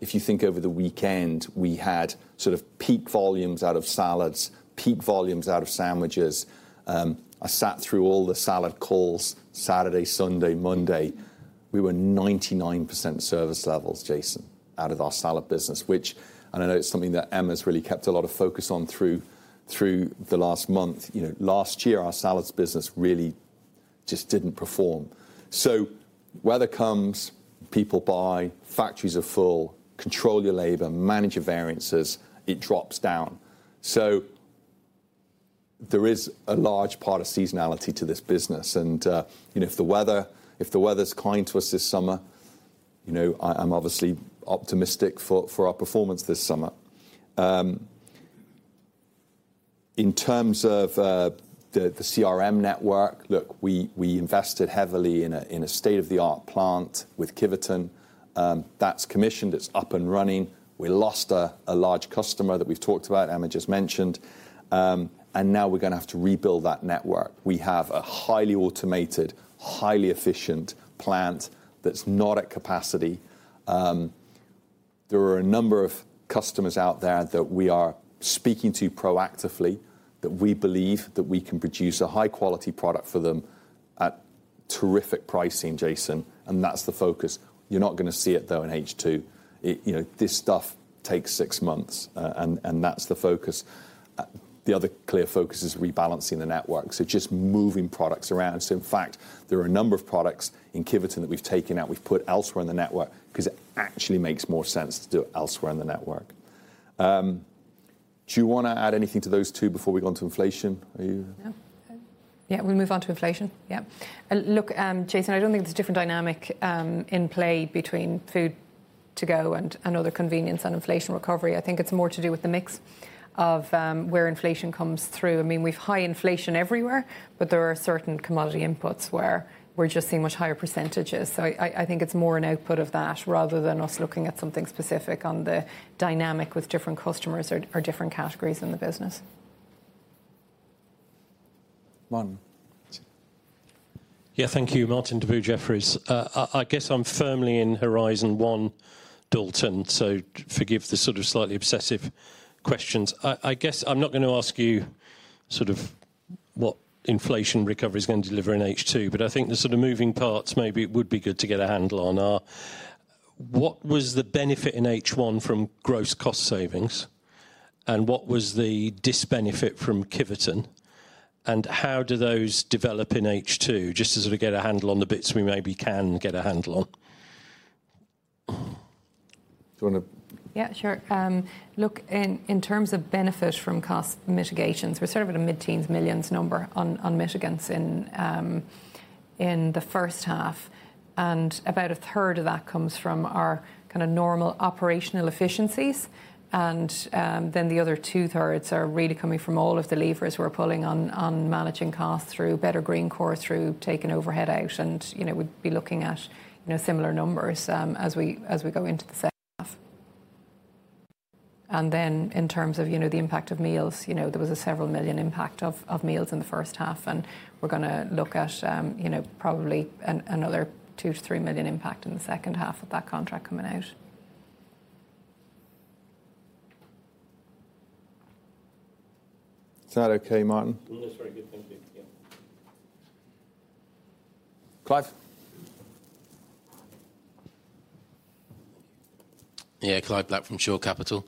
if you think over the weekend, we had sort of peak volumes out of salads, peak volumes out of sandwiches. I sat through all the salad calls Saturday, Sunday, Monday. We were 99% service levels, Jason, out of our salad business, which I know it's something that Emma's really kept a lot of focus on through the last month. You know, last year, our salads business really just didn't perform. Weather comes, people buy, factories are full, control your labor, manage your variances, it drops down. There is a large part of seasonality to this business, and, you know, if the weather's kind to us this summer, you know, I'm obviously optimistic for our performance this summer. In terms of the CRM network, look, we invested heavily in a state-of-the-art plant with Kiveton. That's commissioned, it's up and running. We lost a large customer that we've talked about, Emma just mentioned. Now we're gonna have to rebuild that network. We have a highly automated, highly efficient plant that's not at capacity. There are a number of customers out there that we are speaking to proactively, that we believe that we can produce a high-quality product for them at terrific pricing, Jason, and that's the focus. You're not gonna see it, though, in H2. It you know, this stuff takes six months, and that's the focus. The other clear focus is rebalancing the network, just moving products around. In fact, there are a number of products in Kiveton that we've taken out, we've put elsewhere in the network, because it actually makes more sense to do it elsewhere in the network. Do you wanna add anything to those two before we go on to inflation? No. Yeah, we move on to inflation. Yeah. Look, Jason, I don't think there's a different dynamic in play between Food to Go and Other Convenience on inflation recovery. I think it's more to do with the mix of where inflation comes through. I mean, we've high inflation everywhere, but there are certain commodity inputs where we're just seeing much higher percentages. I think it's more an output of that, rather than us looking at something specific on the dynamic with different customers or different categories in the business. Martin. Yeah, thank you. Martin Deboo, Jefferies. I guess I'm firmly in horizon one, Dalton, so forgive the sort of slightly obsessive questions. I guess I'm not gonna ask you sort of what inflation recovery is gonna deliver in H2, but I think the sort of moving parts maybe it would be good to get a handle on are, what was the benefit in H1 from gross cost savings, and what was the disbenefit from Kiveton? How do those develop in H2, just to sort of get a handle on the bits we maybe can get a handle on? Do you wanna- Yeah, sure. Look, in terms of benefit from cost mitigations, we're sort of at a GBP mid-teens millions number on mitigants in the first half, and about a third of that comes from our kind of normal operational efficiencies. The other two thirds are really coming from all of the levers we're pulling on managing costs through Better Greencore, through taking overhead out. You know, we'd be looking at, you know, similar numbers as we go into the second half. In terms of, you know, the impact of meals, you know, there was a GBP several million impact of meals in the first half, and we're going to look at, you know, probably another 2 million-3 million impact in the second half of that contract coming out. Is that okay, Martin? That's very good. Thank you, yeah. Clive? Yeah, Clive Black from Shore Capital.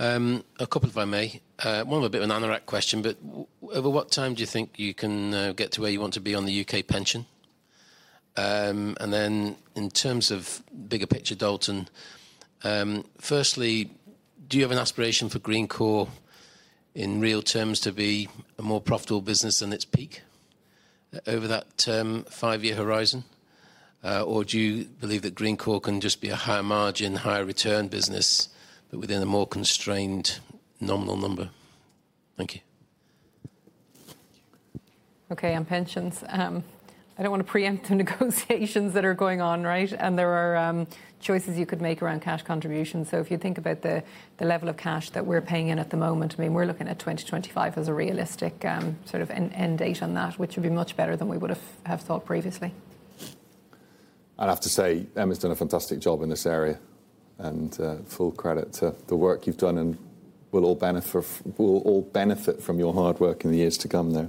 A couple, if I may. One of a bit of an anorak question, but over what time do you think you can get to where you want to be on the U.K. pension? Then in terms of bigger picture, Dalton, firstly, do you have an aspiration for Greencore in real terms to be a more profitable business than its peak over that term, five-year horizon? Do you believe that Greencore can just be a higher margin, higher return business, but within a more constrained nominal number? Thank you. Okay, on pensions. I don't want to preempt the negotiations that are going on, right? There are choices you could make around cash contributions. If you think about the level of cash that we're paying in at the moment, I mean, we're looking at 2025 as a realistic sort of an end date on that, which would be much better than we would have thought previously. I'd have to say, Emma's done a fantastic job in this area, and full credit to the work you've done, and we'll all benefit from your hard work in the years to come there.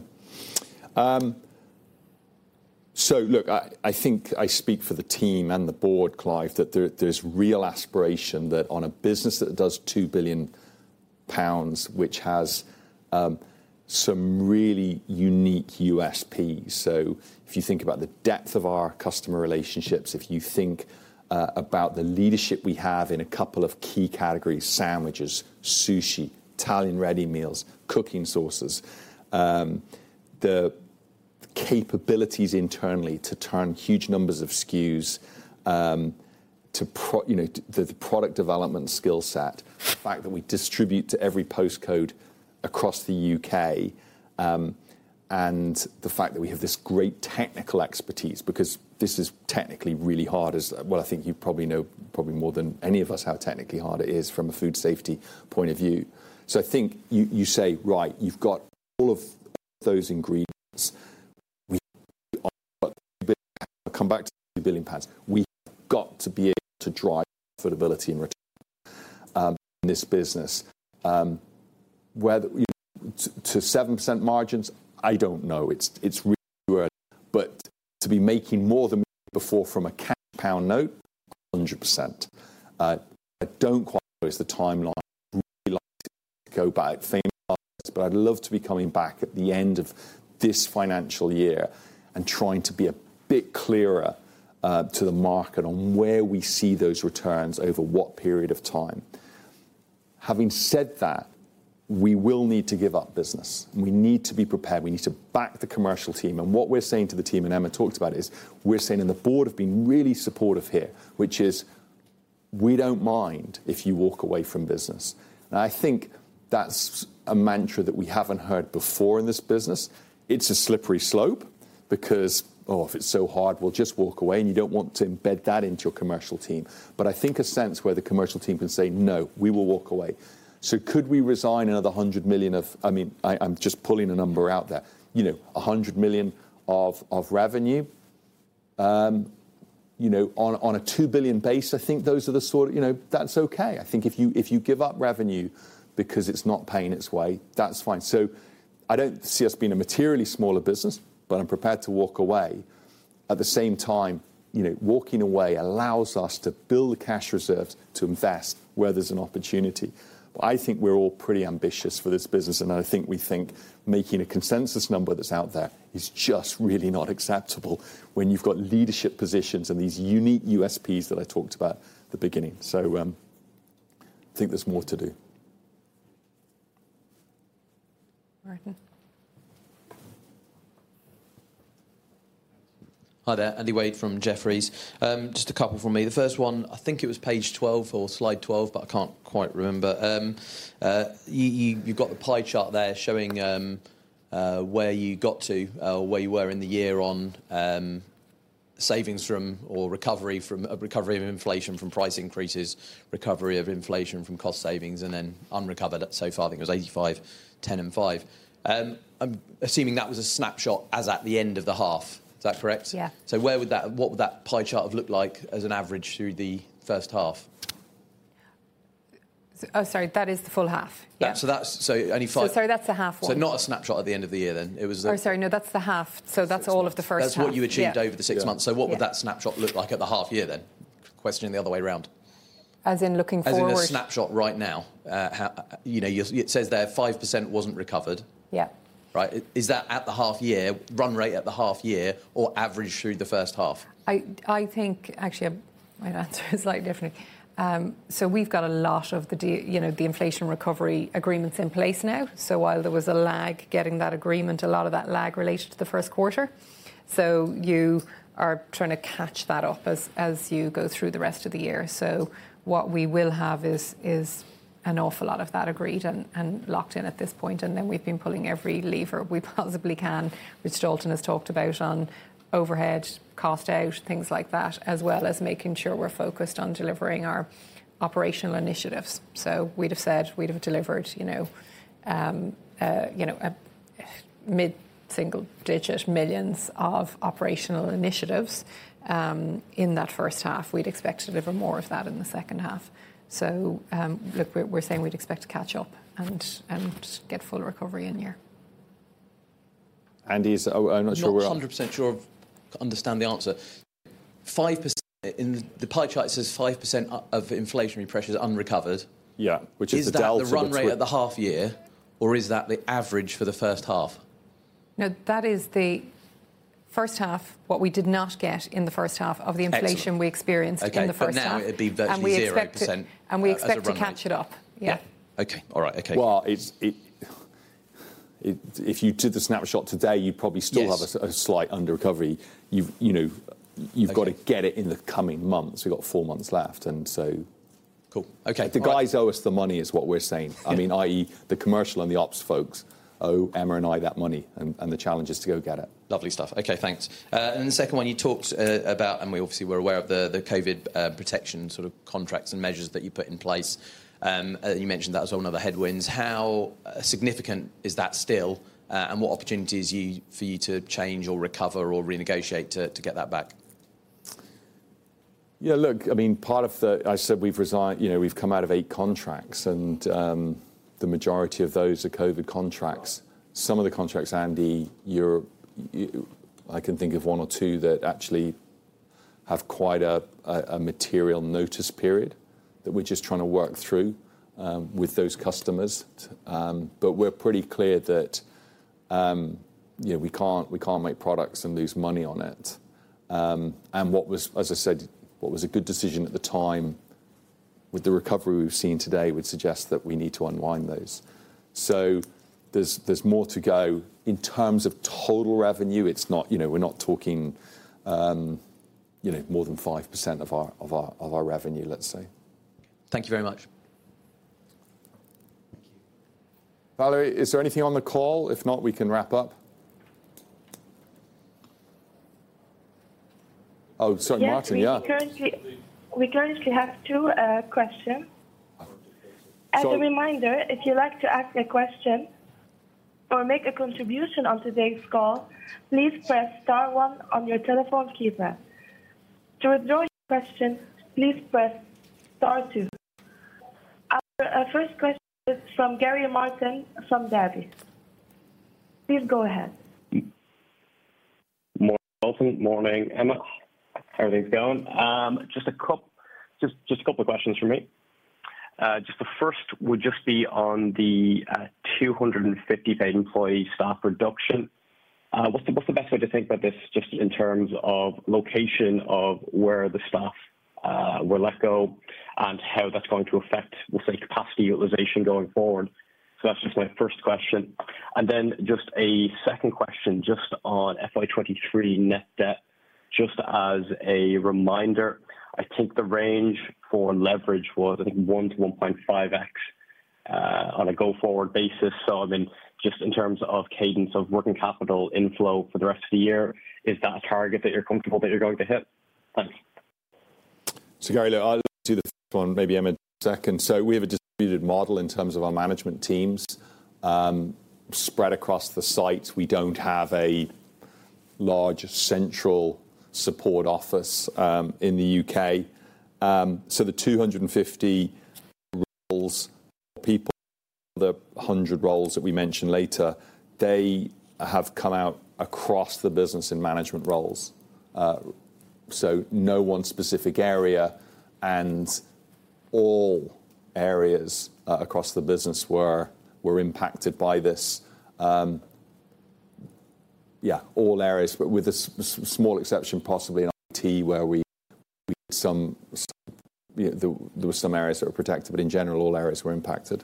Look, I think I speak for the team and the board, Clive, that there's real aspiration that on a business that does 2 billion pounds, which has some really unique USPs. If you think about the depth of our customer relationships, if you think about the leadership we have in a couple of key categories, sandwiches, sushi, Italian ready meals, cooking sauces. The capabilities internally to turn huge numbers of SKUs, you know, the product development skill set. The fact that we distribute to every postcode across the U.K., and the fact that we have this great technical expertise, because this is technically really hard as... Well, I think you probably know, probably more than any of us, how technically hard it is from a food safety point of view. I think you say, right, you've got all of those ingredients. We've got to come back to 2 billion pounds. We've got to be able to drive affordability and return in this business. Whether to 7% margins, I don't know. It's really early, but to be making more than before from a cash pound note, 100%. I don't quite know is the timeline. We like to go by fame, but I'd love to be coming back at the end of this financial year and trying to be a bit clearer to the market on where we see those returns over what period of time. Having said that, we will need to give up business, and we need to be prepared. We need to back the commercial team. What we're saying to the team, and Emma talked about, is we're saying, and the board have been really supportive here, which is, we don't mind if you walk away from business. I think that's a mantra that we haven't heard before in this business. It's a slippery slope because, oh, if it's so hard, we'll just walk away, and you don't want to embed that into a commercial team. I think a sense where the commercial team can say, "No, we will walk away." Could we resign another 100 million of... I mean, I'm just pulling a number out there. You know, 100 million of revenue, you know, on a 2 billion base, I think those are the sort of. You know, that's okay. I think if you give up revenue because it's not paying its way, that's fine. I don't see us being a materially smaller business, but I'm prepared to walk away. At the same time, you know, walking away allows us to build the cash reserves to invest where there's an opportunity. I think we're all pretty ambitious for this business, and I think we think making a consensus number that's out there is just really not acceptable when you've got leadership positions and these unique USPs that I talked about at the beginning. I think there's more to do. Martin. Hi there, Andy Wade from Jefferies. Just a couple from me. The first one, I think it was page 12 or Slide 12, but I can't quite remember. You've got the pie chart there showing where you got to, where you were in the year on savings from or recovery from, a recovery of inflation from price increases, recovery of inflation from cost savings, and then unrecovered so far, I think it was 85, 10 and five. I'm assuming that was a snapshot as at the end of the half. Is that correct? Yeah. What would that pie chart have looked like as an average through the first half? Oh, sorry, that is the full half. Yeah. Yeah. only five. Sorry, that's the half one. Not a snapshot at the end of the year then. Oh, sorry, no, that's the half. That's the half. That's all of the first half. That's what you achieved. Yeah... over the six months. Yeah. What would that snapshot look like at the half year then? Questioning the other way around. As in looking forward? As in a snapshot right now. How, you know, it says there 5% wasn't recovered. Yeah. Right. Is that at the half year, run rate at the half year, or average through the first half? I think actually, my answer is slightly different. We've got a lot of the you know, the inflation recovery agreements in place now. While there was a lag getting that agreement, a lot of that lag related to the first quarter. You are trying to catch that up as you go through the rest of the year. What we will have is an awful lot of that agreed and locked in at this point, and then we've been pulling every lever we possibly can, which Dalton has talked about on overhead, cost out, things like that, as well as making sure we're focused on delivering our operational initiatives. We'd have said we'd have delivered, you know, a GBP mid-single digit millions of operational initiatives in that first half. We'd expect to deliver more of that in the second half. Look, we're saying we'd expect to catch up and get full recovery in year. Andy, is, I'm not sure where we are. Not 100% sure I understand the answer.... 5% the pie chart says 5% of inflationary pressure is unrecovered. Yeah, which is the. Is that the run rate at the half year, or is that the average for the first half? That is the first half, what we did not get in the first half. Excellent of the inflation we experienced- Okay in the first half. Now it'd be virtually 0%. We expect to catch it up. Yeah. Yeah. Okay. All right. Okay. Well, it's if you did the snapshot today, you'd probably still. Yes... have a slight underrecovery. You've, you know. Okay... got to get it in the coming months. We've got four months left, and so... Cool. Okay. The guys owe us the money, is what we're saying. Yeah. I mean, i.e, the commercial and the ops folks owe Emma and I that money, and the challenge is to go get it. Lovely stuff. Okay, thanks. The second one you talked about, and we obviously we're aware of the COVID protection sort of contracts and measures that you put in place. You mentioned that was one of the headwinds. How significant is that still? What opportunities for you to change or recover or renegotiate to get that back? Yeah, look, I mean, I said we've resigned, you know, we've come out of eight contracts, and the majority of those are COVID contracts. Some of the contracts, Andy, you're, I can think of one or two that actually have quite a material notice period, that we're just trying to work through with those customers. We're pretty clear that, you know, we can't make products and lose money on it. What was, as I said, what was a good decision at the time, with the recovery we've seen today, would suggest that we need to unwind those. There's more to go. In terms of total revenue, it's not, you know, we're not talking, you know, more than 5% of our revenue, let's say. Thank you very much. Thank you. Valerie, is there anything on the call? If not, we can wrap up. Oh, sorry, Martin. Yeah. Yes, we currently have two questions. So- As a reminder, if you'd like to ask a question or make a contribution on today's call, please press star one on your telephone keypad. To withdraw your question, please press star two. Our first question is from Gary Martin, from Davy. Please go ahead. Morning, Dalton. Morning, Emma. How are things going? Just a couple of questions from me. Just the first would just be on the 250 employee staff reduction. What's the best way to think about this, just in terms of location of where the staff were let go, and how that's going to affect, we'll say, capacity utilization going forward? That's just my first question. Just a second question, just on FY 2023 net debt. Just as a reminder, I think the range for leverage was, I think, 1x to 1.5x on a go-forward basis. I mean, just in terms of cadence of working capital inflow for the rest of the year, is that a target that you're comfortable that you're going to hit? Thanks. Gary, look, I'll do the first one, maybe Emma, second. We have a distributed model in terms of our management teams, spread across the sites. We don't have a large central support office, in the U.K. The 250 roles, people, the 100 roles that we mentioned later, they have come out across the business in management roles. No one specific area, and all areas across the business were impacted by this. Yeah, all areas, but with a small exception, possibly in IT, where we some, you know, there were some areas that were protected, but in general, all areas were impacted.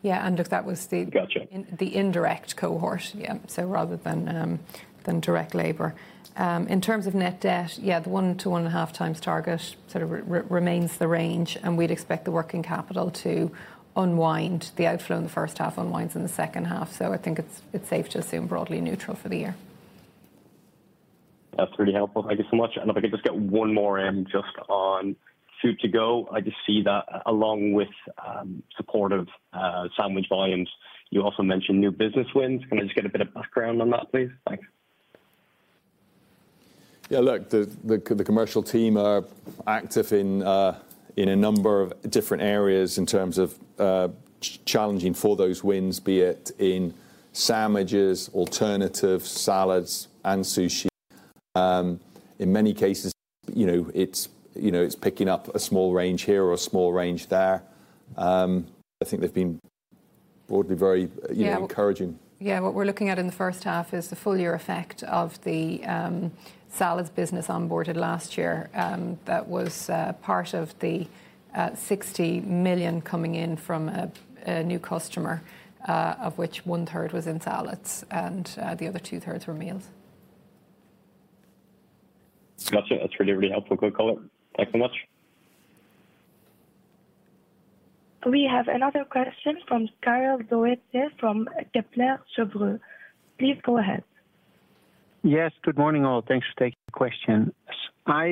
Yeah, and look, that was. Gotcha. The indirect cohort. Yeah, rather than direct labor. In terms of net debt, yeah, the 1x to 1.5x target sort of remains the range. We'd expect the working capital to unwind. The outflow in the first half unwinds in the second half. I think it's safe to assume broadly neutral for the year. That's pretty helpful. Thank you so much. If I could just get one more in, just on Food to Go. I just see that along with supportive sandwich volumes, you also mentioned new business wins. Can I just get a bit of background on that, please? Thanks. The commercial team are active in a number of different areas in terms of challenging for those wins, be it in sandwiches, alternatives, salads, and sushi. In many cases, you know, it's picking up a small range here or a small range there. I think they've been broadly very. Yeah... encouraging. Yeah, what we're looking at in the first half is the full year effect of the Salads business onboarded last year. That was part of the 60 million coming in from a new customer, of which one third was in Salads, and the other two thirds were meals. Gotcha. That's really, really helpful. Good call. Thanks so much. We have another question from Karel Zoete from Kepler Cheuvreux. Please go ahead. Yes, good morning, all. Thanks for taking the question. I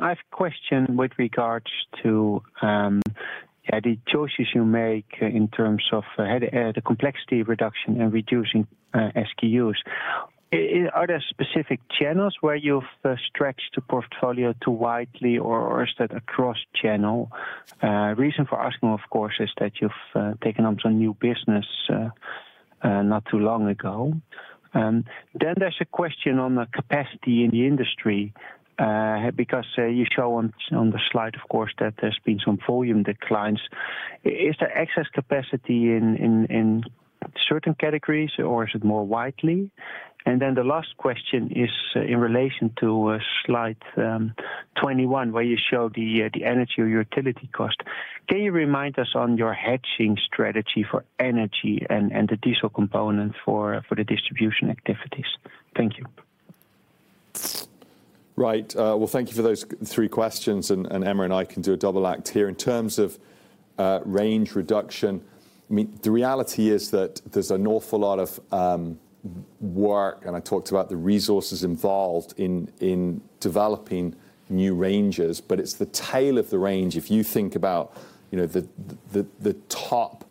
have a question with regards to the choices you make in terms of the complexity reduction and reducing SKUs. Are there specific channels where you've stretched the portfolio too widely, or is that across channel? Reason for asking, of course, is that you've taken on some new business. not too long ago. Then there's a question on the capacity in the industry, because you show on the slide, of course, that there's been some volume declines. Is there excess capacity in certain categories, or is it more widely? The last question is in relation to Slide 21, where you show the energy or utility cost. Can you remind us on your hedging strategy for energy and the diesel component for the distribution activities? Thank you. Right. Well, thank you for those three questions, and Emma and I can do a double act here. In terms of range reduction, I mean, the reality is that there's an awful lot of work, and I talked about the resources involved in developing new ranges, but it's the tail of the range. If you think about, you know, the top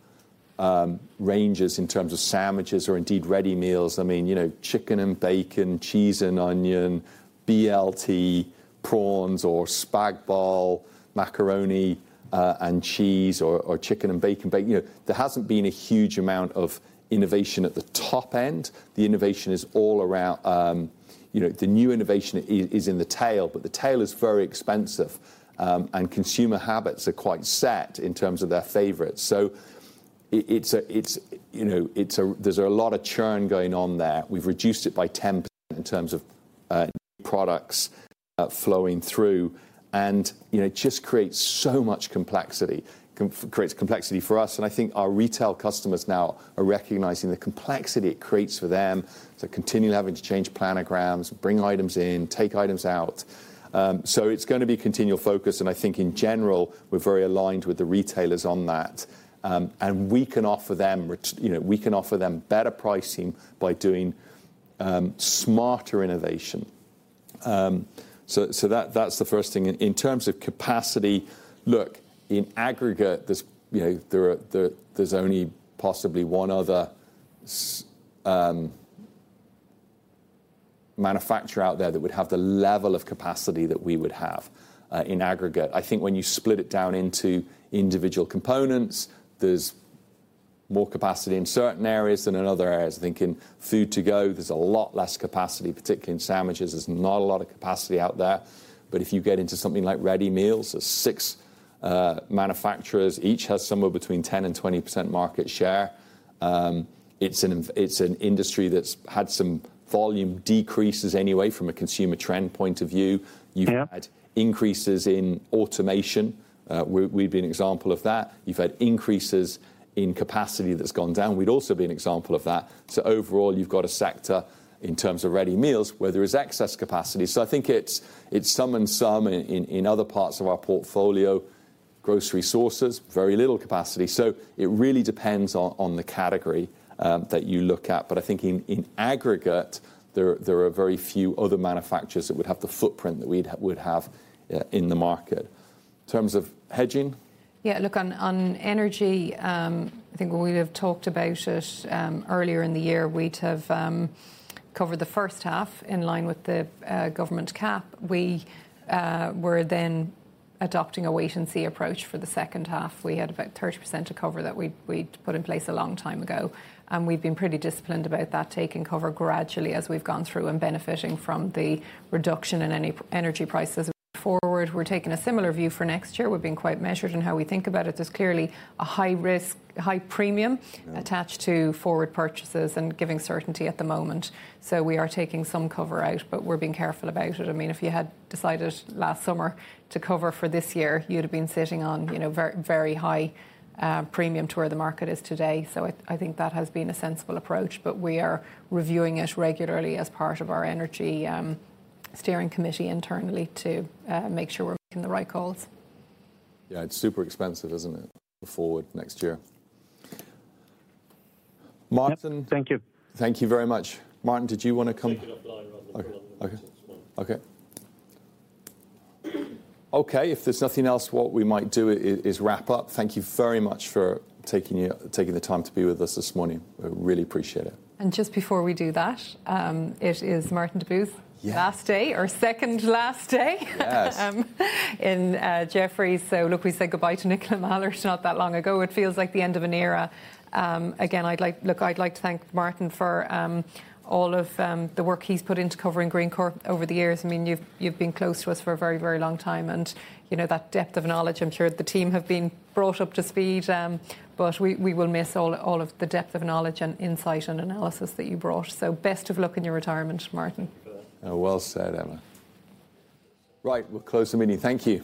ranges in terms of sandwiches or indeed ready meals, I mean, you know, chicken and bacon, cheese and onion, BLT, prawns or spag bol, macaroni, and cheese or chicken and bacon, you know, there hasn't been a huge amount of innovation at the top end. The innovation is all around. You know, the new innovation is in the tail, the tail is very expensive, and consumer habits are quite set in terms of their favorites. It's a, you know, it's a. There's a lot of churn going on there. We've reduced it by 10% in terms of products flowing through, you know, it just creates so much complexity. creates complexity for us, I think our retail customers now are recognizing the complexity it creates for them to continue having to change planograms, bring items in, take items out. It's going to be a continual focus, I think in general, we're very aligned with the retailers on that. We can offer them you know, we can offer them better pricing by doing smarter innovation. That's the first thing. In terms of capacity, look, in aggregate, there's, you know, there's only possibly one other manufacturer out there that would have the level of capacity that we would have, in aggregate. I think when you split it down into individual components, there's more capacity in certain areas than in other areas. I think in food to go, there's a lot less capacity, particularly in sandwiches. There's not a lot of capacity out there. If you get into something like ready meals, there's six manufacturers, each has somewhere between 10% and 20% market share. It's an industry that's had some volume decreases anyway from a consumer trend point of view. Yeah. You've had increases in automation. We've been an example of that. You've had increases in capacity that's gone down. We'd also be an example of that. Overall, you've got a sector, in terms of ready meals, where there is excess capacity. I think it's some and some in other parts of our portfolio. Grocery sources, very little capacity. It really depends on the category that you look at. I think in aggregate, there are very few other manufacturers that would have the footprint that we'd have in the market. In terms of hedging? Look, on energy, I think we have talked about it earlier in the year. We'd have covered the first half in line with the government cap. We were then adopting a wait-and-see approach for the second half. We had about 30% to cover that we'd put in place a long time ago. We've been pretty disciplined about that, taking cover gradually as we've gone through and benefiting from the reduction in any energy prices forward. We're taking a similar view for next year. We've been quite measured in how we think about it. There's clearly a high risk, high premium.... attached to forward purchases and giving certainty at the moment. We are taking some cover out, but we're being careful about it. I mean, if you had decided last summer to cover for this year, you'd have been sitting on, you know, very, very high premium to where the market is today. I think that has been a sensible approach, but we are reviewing it regularly as part of our energy steering committee internally to make sure we're making the right calls. Yeah, it's super expensive, isn't it? For forward next year. Martin. Thank you. Thank you very much. Martin, did you want to? Take it offline rather than... Okay. If there's nothing else, what we might do is wrap up. Thank you very much for taking your taking the time to be with us this morning. We really appreciate it. Just before we do that, it is Martin Deboo's. Yeah... last day or second last day, Yes in Jefferies. Look, we said goodbye to Nicola Mallows not that long ago. It feels like the end of an era. Again, I'd like to thank Martin for all of the work he's put into covering Greencore over the years. I mean, you've been close to us for a very, very long time, and you know, that depth of knowledge, I'm sure the team have been brought up to speed, but we will miss all of the depth of knowledge and insight and analysis that you brought. Best of luck in your retirement, Martin. Oh, well said, Emma. Right, we'll close the meeting. Thank you.